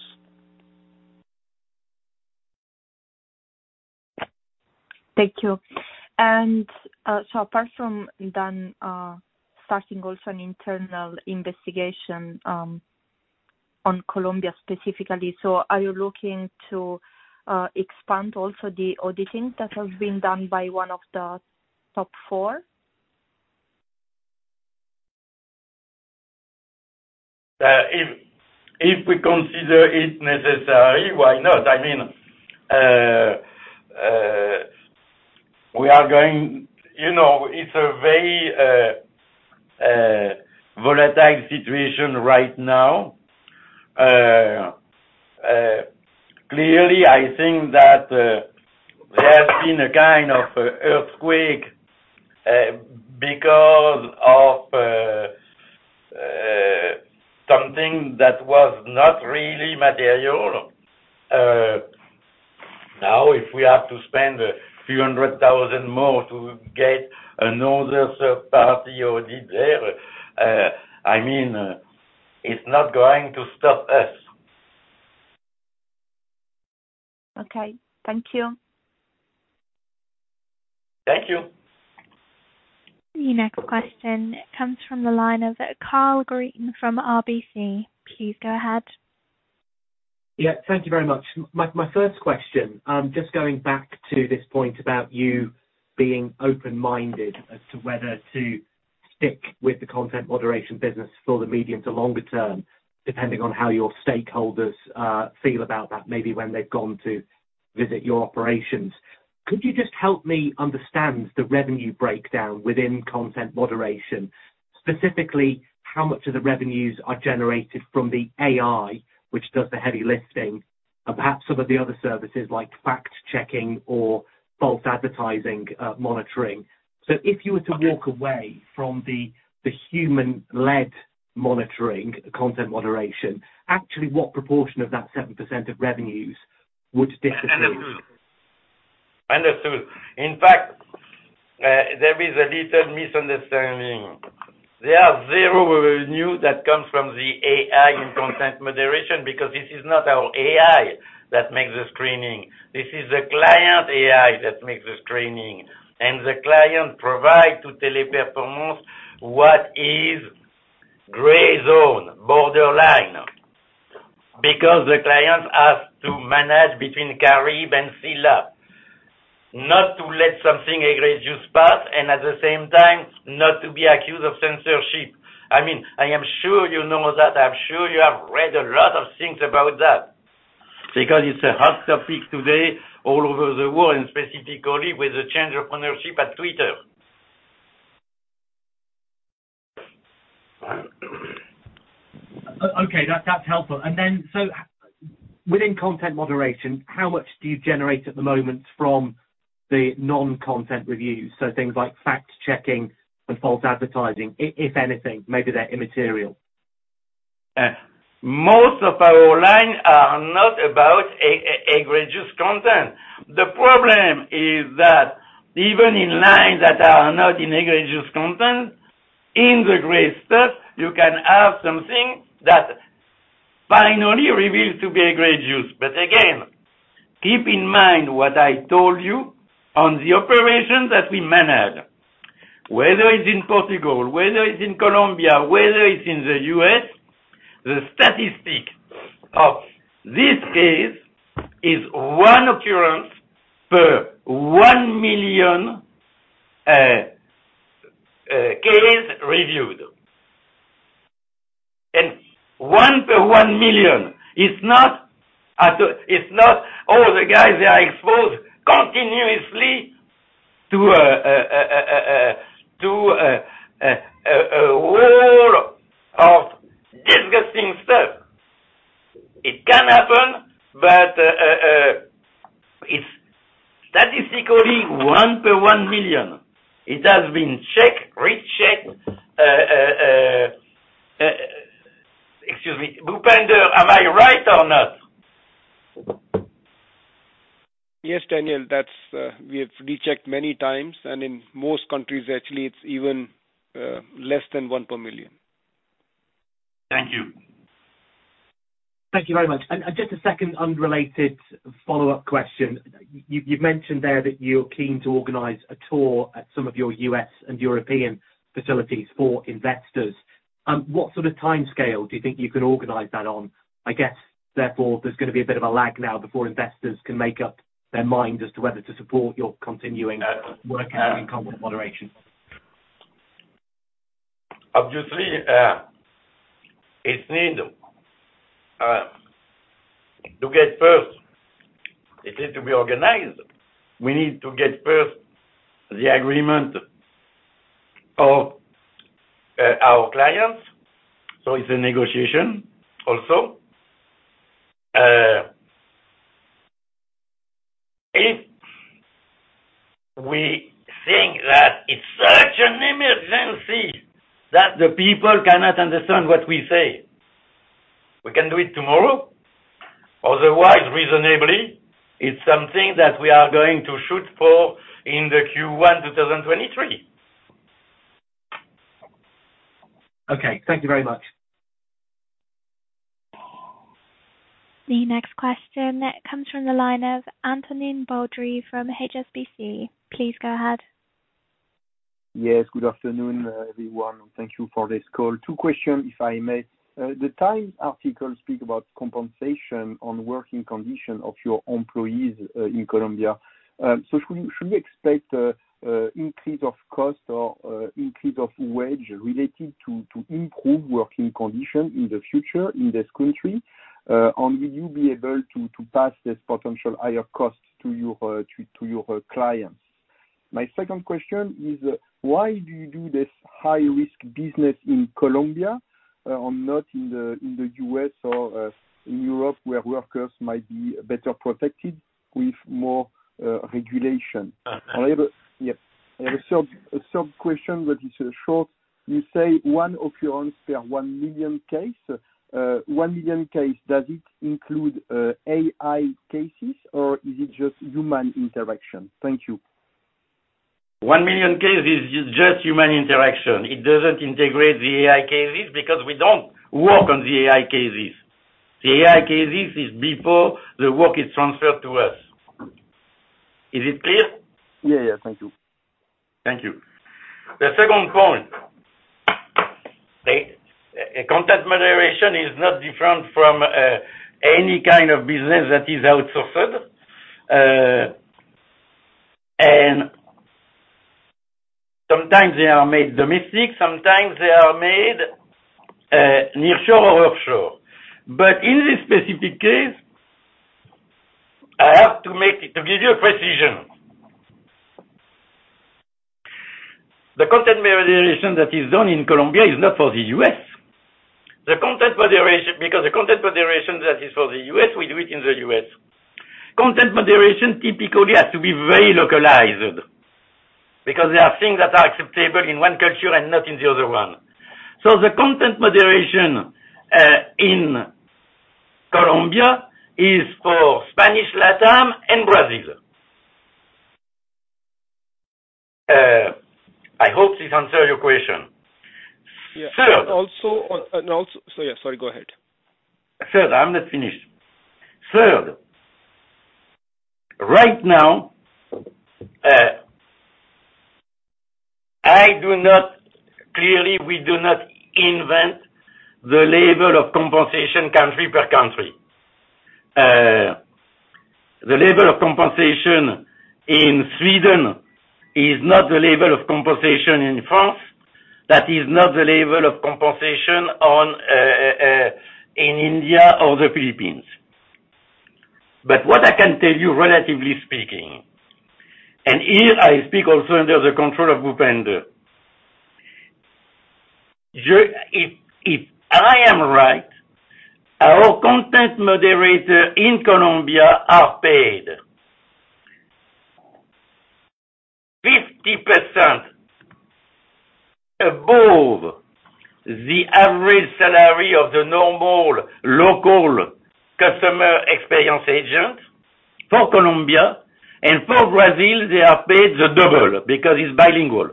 Thank you. Apart from then starting also an internal investigation on Colombia specifically, so are you looking to expand also the auditing that has been done by one of the top four? If we consider it necessary, why not? I mean, you know, it's a very volatile situation right now. Clearly, I think that there's been a kind of an earthquake because of something that was not really material. Now if we have to spend a few hundred thousand more to get another third-party audit there, I mean, it's not going to stop us. Okay. Thank you. Thank you. Your next question comes from the line of Karl Green from RBC. Please go ahead. Yeah. Thank you very much. My first question, just going back to this point about you being open-minded as to whether to stick with the Content Moderation business for the medium to longer term, depending on how your stakeholders feel about that, maybe when they've gone to visit your operations. Could you just help me understand the revenue breakdown within Content Moderation? Specifically, how much of the revenues are generated from the AI, which does the heavy lifting, and perhaps some of the other services like fact checking or false advertising monitoring. If you were to walk away from the human-led monitoring Content Moderation, actually, what proportion of that 7% of revenues would disappear? Understood. In fact, there is a little misunderstanding. There are zero revenue that comes from the AI in Content Moderation because this is not our AI that makes the screening. This is the client AI that makes the screening. The client provide to Teleperformance what is gray zone, borderline. Because the clients have to manage between Charybdis and Scylla. Not to let something egregious pass, and at the same time not to be accused of censorship. I mean, I am sure you know that. I'm sure you have read a lot of things about that because it's a hot topic today all over the world, and specifically with the change of ownership at Twitter. Okay. That's helpful. Within Content Moderation, how much do you generate at the moment from the non-content reviews? Things like fact-checking and false advertising, if anything, maybe they're immaterial. Most of our lines are not about egregious content. The problem is that even in lines that are not egregious content, in the gray stuff, you can have something that finally reveals to be egregious. Keep in mind what I told you on the operations that we manage. Whether it's in Portugal, whether it's in Colombia, whether it's in the U.S., the statistic of this case is one occurrence per one million cases reviewed. 1/1 million is not all the guys, they are exposed continuously to a role of disgusting stuff. It can happen, but it's statistically one per one million. It has been checked, rechecked. Excuse me. Bhupender, am I right or not? Yes, Daniel, that's we have rechecked many times, and in most countries, actually, it's even less than 1/1 million. Thank you. Thank you very much. Just a second unrelated follow-up question. You, you’ve mentioned there that you’re keen to organize a tour at some of your U.S. and European facilities for investors. What sort of timescale do you think you can organize that on? I guess, therefore, there’s gonna be a bit of a lag now before investors can make up their mind as to whether to support your continuing work in Content Moderation. Obviously, it needs to be organized. We need to get first the agreement of our clients, so it's a negotiation also. If we think that it's such an emergency that the people cannot understand what we say, we can do it tomorrow. Otherwise, reasonably, it's something that we are going to shoot for in the Q1 of 2023. Okay, thank you very much. The next question comes from the line of Antonin Baudry from HSBC. Please go ahead. Yes, good afternoon, everyone. Thank you for this call. Two questions if I may. The TIME article speaks about compensation and working conditions of your employees in Colombia. Should we expect an increase in costs or increase in wages related to improve working conditions in the future in this country? Will you be able to pass this potential higher costs to your clients? My second question is, why do you do this high-risk business in Colombia and not in the U.S. or in Europe, where workers might be better protected with more regulation? I have a sub-question that is short. You say one occurrence per one million case. One million case, does it include AI cases or is it just human interaction? Thank you. One million case is just human interaction. It doesn't integrate the AI cases because we don't work on the AI cases. The AI cases is before the work is transferred to us. Is it clear? Yeah. Yeah. Thank you. Thank you. The second point, the Content Moderation is not different from any kind of business that is outsourced. Sometimes they are made domestic, sometimes they are made nearshore or offshore. In this specific case, to give you a precision, the Content Moderation that is done in Colombia is not for the U.S. The Content Moderation because the Content Moderation that is for the U.S., we do it in the U.S. Content Moderation typically has to be very localized because there are things that are acceptable in one culture and not in the other one. The Content Moderation in Colombia is for Spanish LatAm and Brazil. I hope this answer your question. Yeah. Third- Yeah, sorry, go ahead. Third, I'm not finished. Third, right now, I do not. Clearly, we do not invent the level of compensation country-per-country. The level of compensation in Sweden is not the level of compensation in France. That is not the level of compensation in India or the Philippines. What I can tell you relatively speaking, and here I speak also under the control of Bhupender, if I am right, our content moderator in Colombia are paid 50% above the average salary of the normal local customer experience agent for Colombia. For Brazil, they are paid the double because it's bilingual.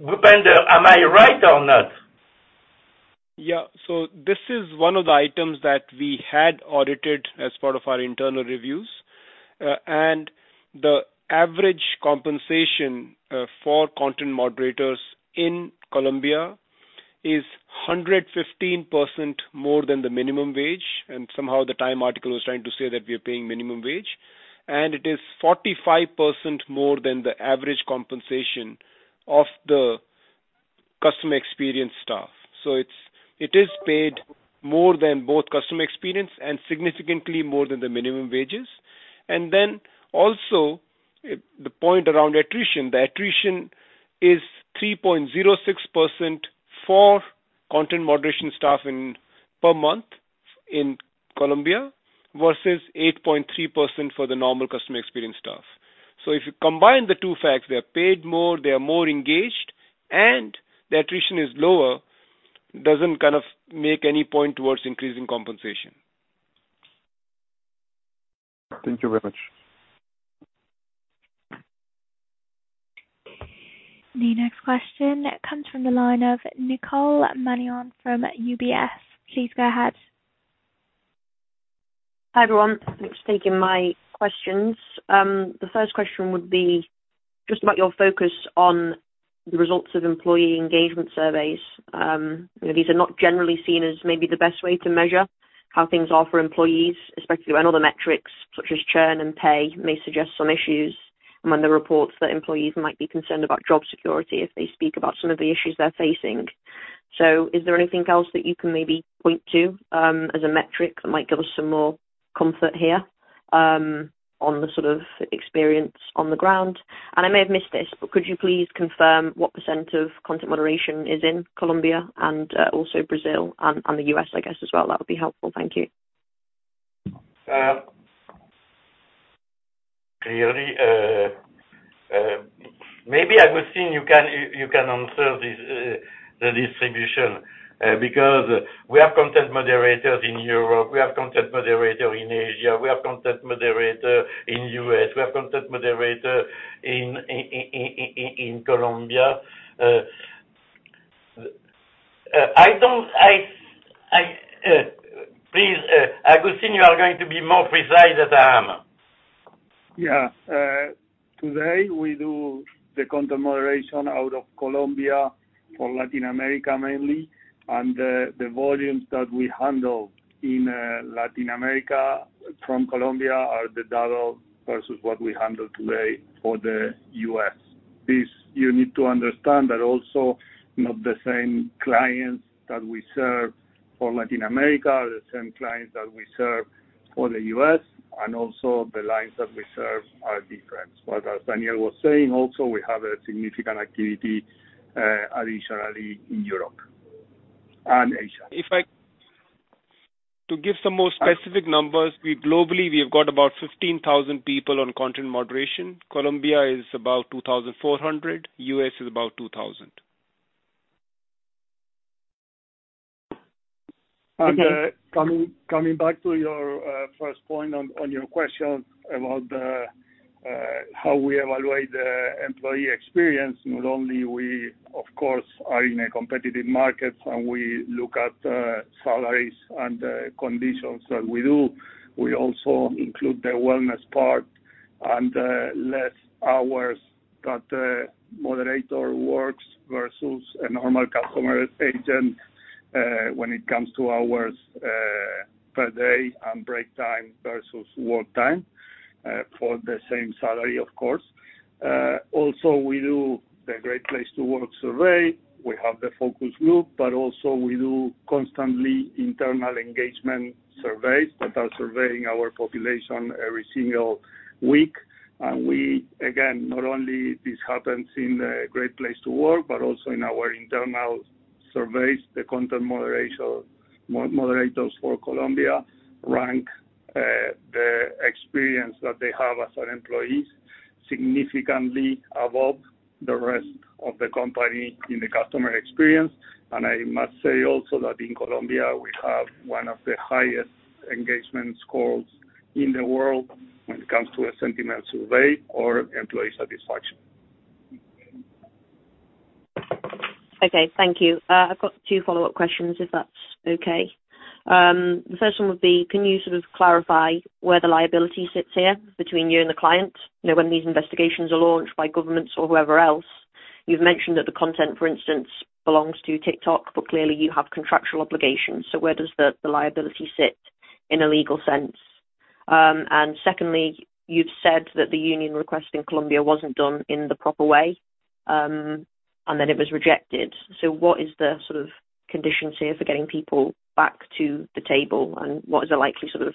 Bhupender, am I right or not? Yeah. This is one of the items that we had audited as part of our internal reviews. The average compensation for content moderators in Colombia is 115% more than the minimum wage, and somehow the TIME article was trying to say that we are paying minimum wage. It is 45% more than the average compensation of the customer experience staff. It is paid more than both customer experience and significantly more than the minimum wages. Also, the point around attrition. The attrition is 3.06% for Content Moderation staff per month in Colombia versus 8.3% for the normal customer experience staff. If you combine the two facts, they are paid more, they are more engaged, and the attrition is lower, doesn't kind of make any point towards increasing compensation. Thank you very much. The next question comes from the line of Nicole Manion from UBS. Please go ahead. Hi, everyone. Thanks for taking my questions. The first question would be just about your focus on the results of employee engagement surveys. You know, these are not generally seen as maybe the best way to measure how things are for employees, especially when other metrics such as churn and pay may suggest some issues among the reports that employees might be concerned about job security if they speak about some of the issues they're facing. Is there anything else that you can maybe point to, as a metric that might give us some more comfort here, on the sort of experience on the ground? I may have missed this, but could you please confirm what percentage of Content Moderation is in Colombia and also Brazil and the U.S., I guess as well? That would be helpful. Thank you. Clearly, maybe Agustin you can answer this, the distribution, because we have content moderators in Europe, we have content moderator in Asia, we have content moderator in U.S., we have content moderator in Colombia. Please, Agustin, you are going to be more precise than I am. Yeah. Today, we do the Content Moderation out of Colombia for Latin America mainly. The volumes that we handle in Latin America from Colombia are the double versus what we handle today for the U.S. Please, you need to understand they're also not the same clients that we serve for Latin America, are the same clients that we serve for the U.S. and also the lines that we serve are different. As Daniel was saying also, we have a significant activity additionally in Europe and Asia. To give some more specific numbers, we globally have about 15,000 people on Content Moderation. Colombia is about 2,400, U.S. is about 2,000. Okay. Coming back to your first point on your question about how we evaluate the employee experience, not only we of course are in a competitive market and we look at salaries and the conditions that we do, we also include the wellness part and less hours that the moderator works versus a normal customer agent when it comes to hours per day and break time versus work time for the same salary of course. Also we do the Great Place to Work survey. We have the focus group, but also we do constantly internal engagement surveys that are surveying our population every single week. We, again, not only this happens in a Great Place to Work, but also in our internal surveys, the Content Moderation moderators for Colombia rank the experience that they have as our employees significantly above the rest of the company in the customer experience. I must say also that in Colombia we have one of the highest engagement scores in the world when it comes to a sentiment survey or employee satisfaction. Okay. Thank you. I've got two follow-up questions, if that's okay. The first one would be, can you sort of clarify where the liability sits here between you and the client? You know, when these investigations are launched by governments or whoever else, you've mentioned that the content, for instance, belongs to TikTok, but clearly you have contractual obligations. So where does the liability sit in a legal sense? And secondly, you've said that the union request in Colombia wasn't done in the proper way, and that it was rejected. So what is the sort of conditions here for getting people back to the table, and what is the likely sort of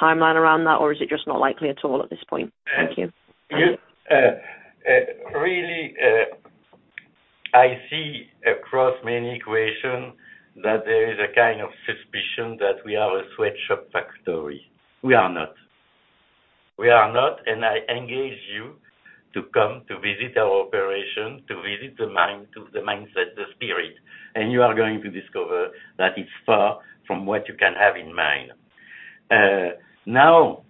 timeline around that, or is it just not likely at all at this point? Thank you. Really, I see across many equation that there is a kind of suspicion that we are a sweatshop factory. We are not, and I engage you to come to visit our operation, to visit the sites to the mindset, the spirit, and you are going to discover that it's far from what you can have in mind. Now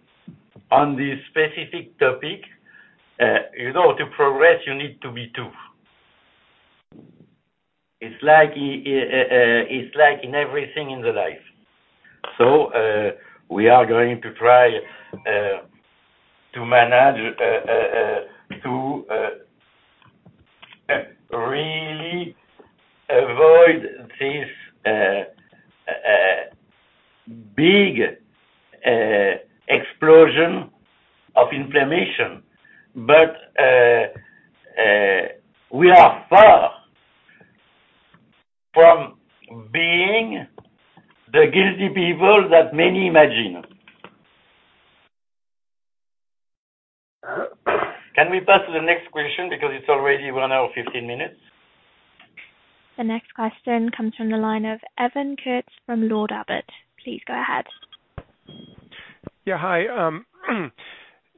on this specific topic, you know, to progress, you need to be two. It's like in everything in the life. We are going to try to manage to really avoid this big explosion of inflammation. We are far from being the guilty people that many imagine. Can we pass to the next question because it's already 1 hour 15 minutes? The next question comes from the line of Alan Kurtz from Lord Abbett. Please go ahead. Yeah. Hi.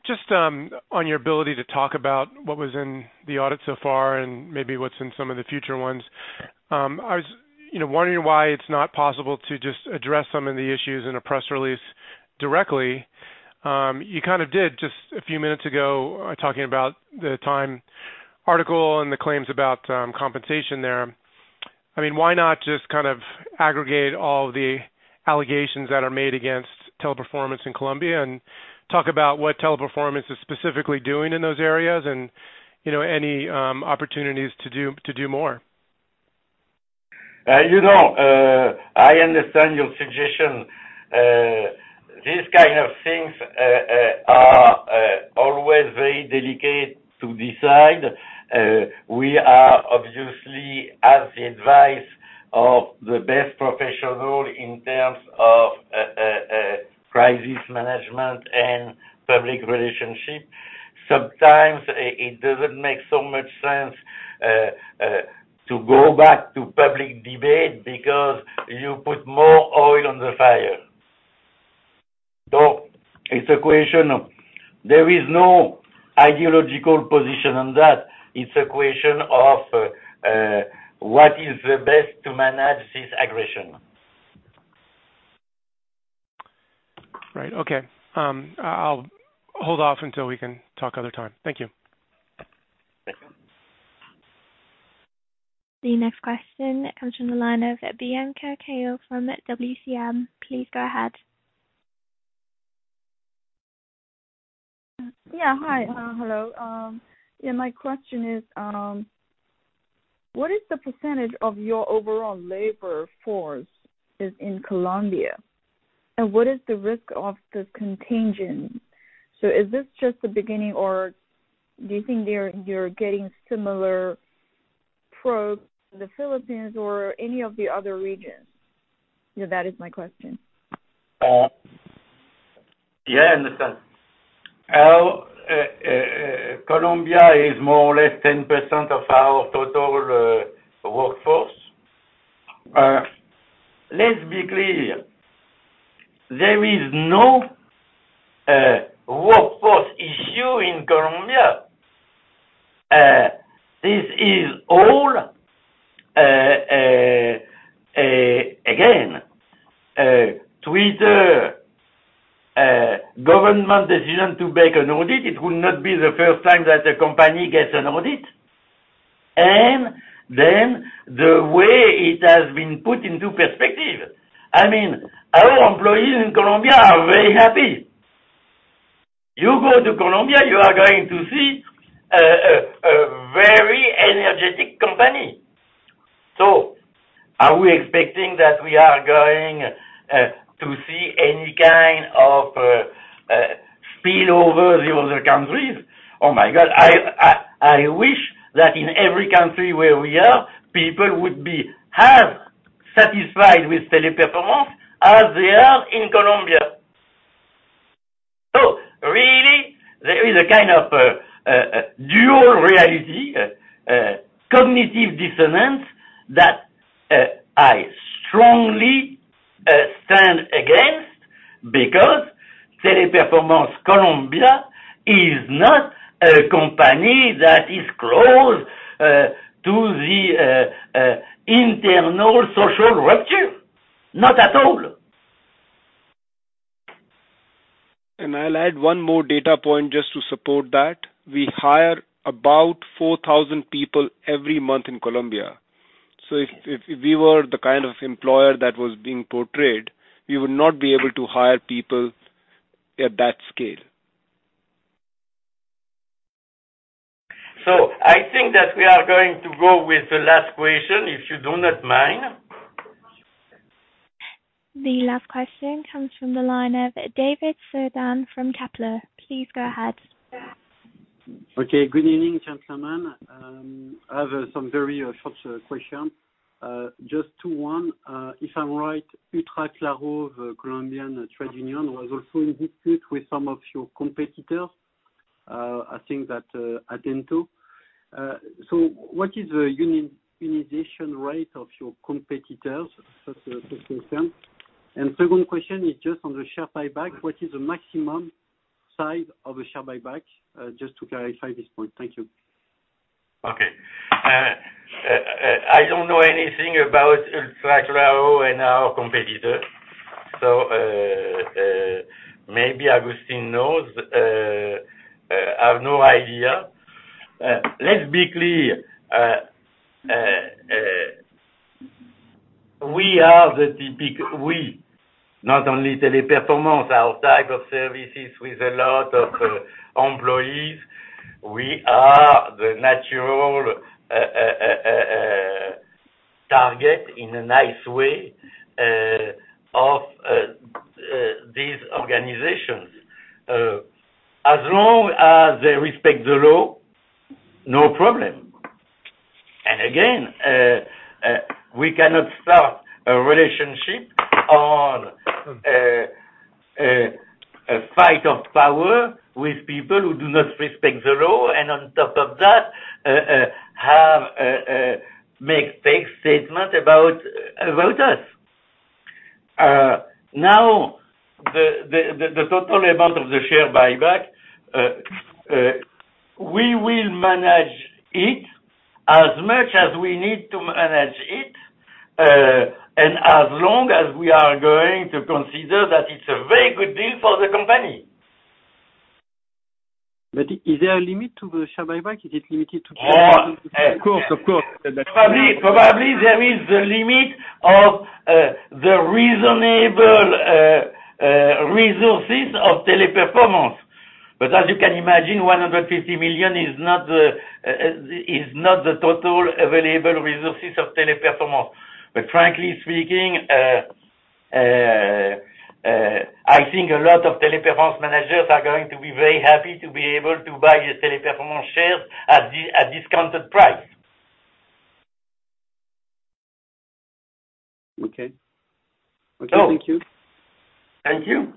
Just on your ability to talk about what was in the audit so far and maybe what's in some of the future ones, I was, you know, wondering why it's not possible to just address some of the issues in a press release directly. You kind of did just a few minutes ago, talking about the TIME article and the claims about compensation there. I mean, why not just kind of aggregate all the allegations that are made against Teleperformance in Colombia and talk about what Teleperformance is specifically doing in those areas and, you know, any opportunities to do more. You know, I understand your suggestion. These kind of things are always very delicate to decide. We obviously have the advice of the best professional in terms of crisis management and public relations. Sometimes it doesn't make so much sense to go back to public debate because you put more oil on the fire. There is no ideological position on that. It's a question of what is the best to manage this aggression. Right. Okay. I'll hold off until we can talk another time. Thank you. The next question comes from the line of Bianca Kao from WCM. Please go ahead. Hello. My question is, what is the percentage of your overall labor force is in Colombia? And what is the risk of the contingent? Is this just the beginning, or do you think you're getting similar probes in the Philippines or any of the other regions? That is my question. Yeah, I understand. Our Colombia is more or less 10% of our total workforce. Let's be clear. There is no workforce issue in Colombia. This is all again Twitter government decision to make an audit. It will not be the first time that a company gets an audit. Then the way it has been put into perspective, I mean, our employees in Colombia are very happy. You go to Colombia, you are going to see a very energetic company. Are we expecting that we are going to see any kind of spill over the other countries? Oh my God, I wish that in every country where we are, people would be half satisfied with Teleperformance as they are in Colombia. Really, there is a kind of dual reality, cognitive dissonance that I strongly stand against because Teleperformance Colombia is not a company that is close to the internal social rupture. Not at all. I'll add one more data point just to support that. We hire about 4,000 people every month in Colombia. If we were the kind of employer that was being portrayed, we would not be able to hire people at that scale. I think that we are going to go with the last question, if you do not mind. The last question comes from the line of David Cerdan from Kepler Cheuvreux. Please go ahead. Okay. Good evening, gentlemen. I have some very short question. Just two, one, if I'm right, Utraclaro, the Colombian trade union was also in dispute with some of your competitors, I think that, Atento. What is the unionization rate of your competitors for Colombia? Second question is just on the share buyback. What is the maximum size of a share buyback? Just to clarify this point. Thank you. I don't know anything about Utraclaro and our competitor. Maybe Agustin knows. I have no idea. Let's be clear. We are the typical. Not only Teleperformance, our type of services with a lot of employees, we are the natural target in a nice way of these organizations. As long as they respect the law, no problem. Again, we cannot start a relationship on a fight of power with people who do not respect the law and on top of that, have made fake statements about us. Now, the total amount of the share buyback, we need to manage it, and as long as we are going to consider that it's a very good deal for the company. Is there a limit to the share buyback? Is it limited to? Of course. Probably there is a limit of the reasonable resources of Teleperformance. As you can imagine, 150 million is not the total available resources of Teleperformance. Frankly speaking, I think a lot of Teleperformance managers are going to be very happy to be able to buy Teleperformance shares at discounted price. Okay. Thank you. Thank you.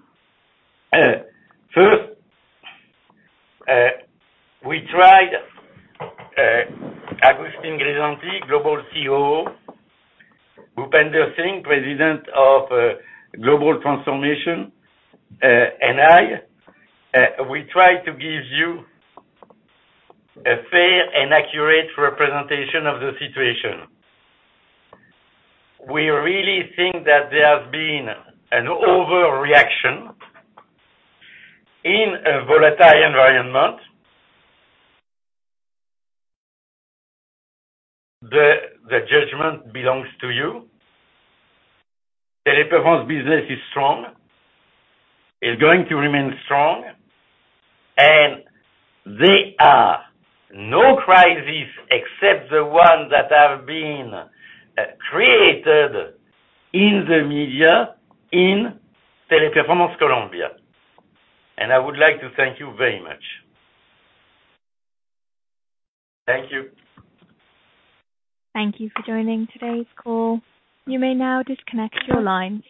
First, we tried, Agustin Grisanti, Global COO, Bhupender Singh, President of Global Transformation, and I, we tried to give you a fair and accurate representation of the situation. We really think that there has been an overreaction in a volatile environment. The judgment belongs to you. Teleperformance business is strong, is going to remain strong, and there are no crisis except the ones that have been created in the media in Teleperformance Colombia. I would like to thank you very much. Thank you. Thank you for joining today's call. You may now disconnect your lines.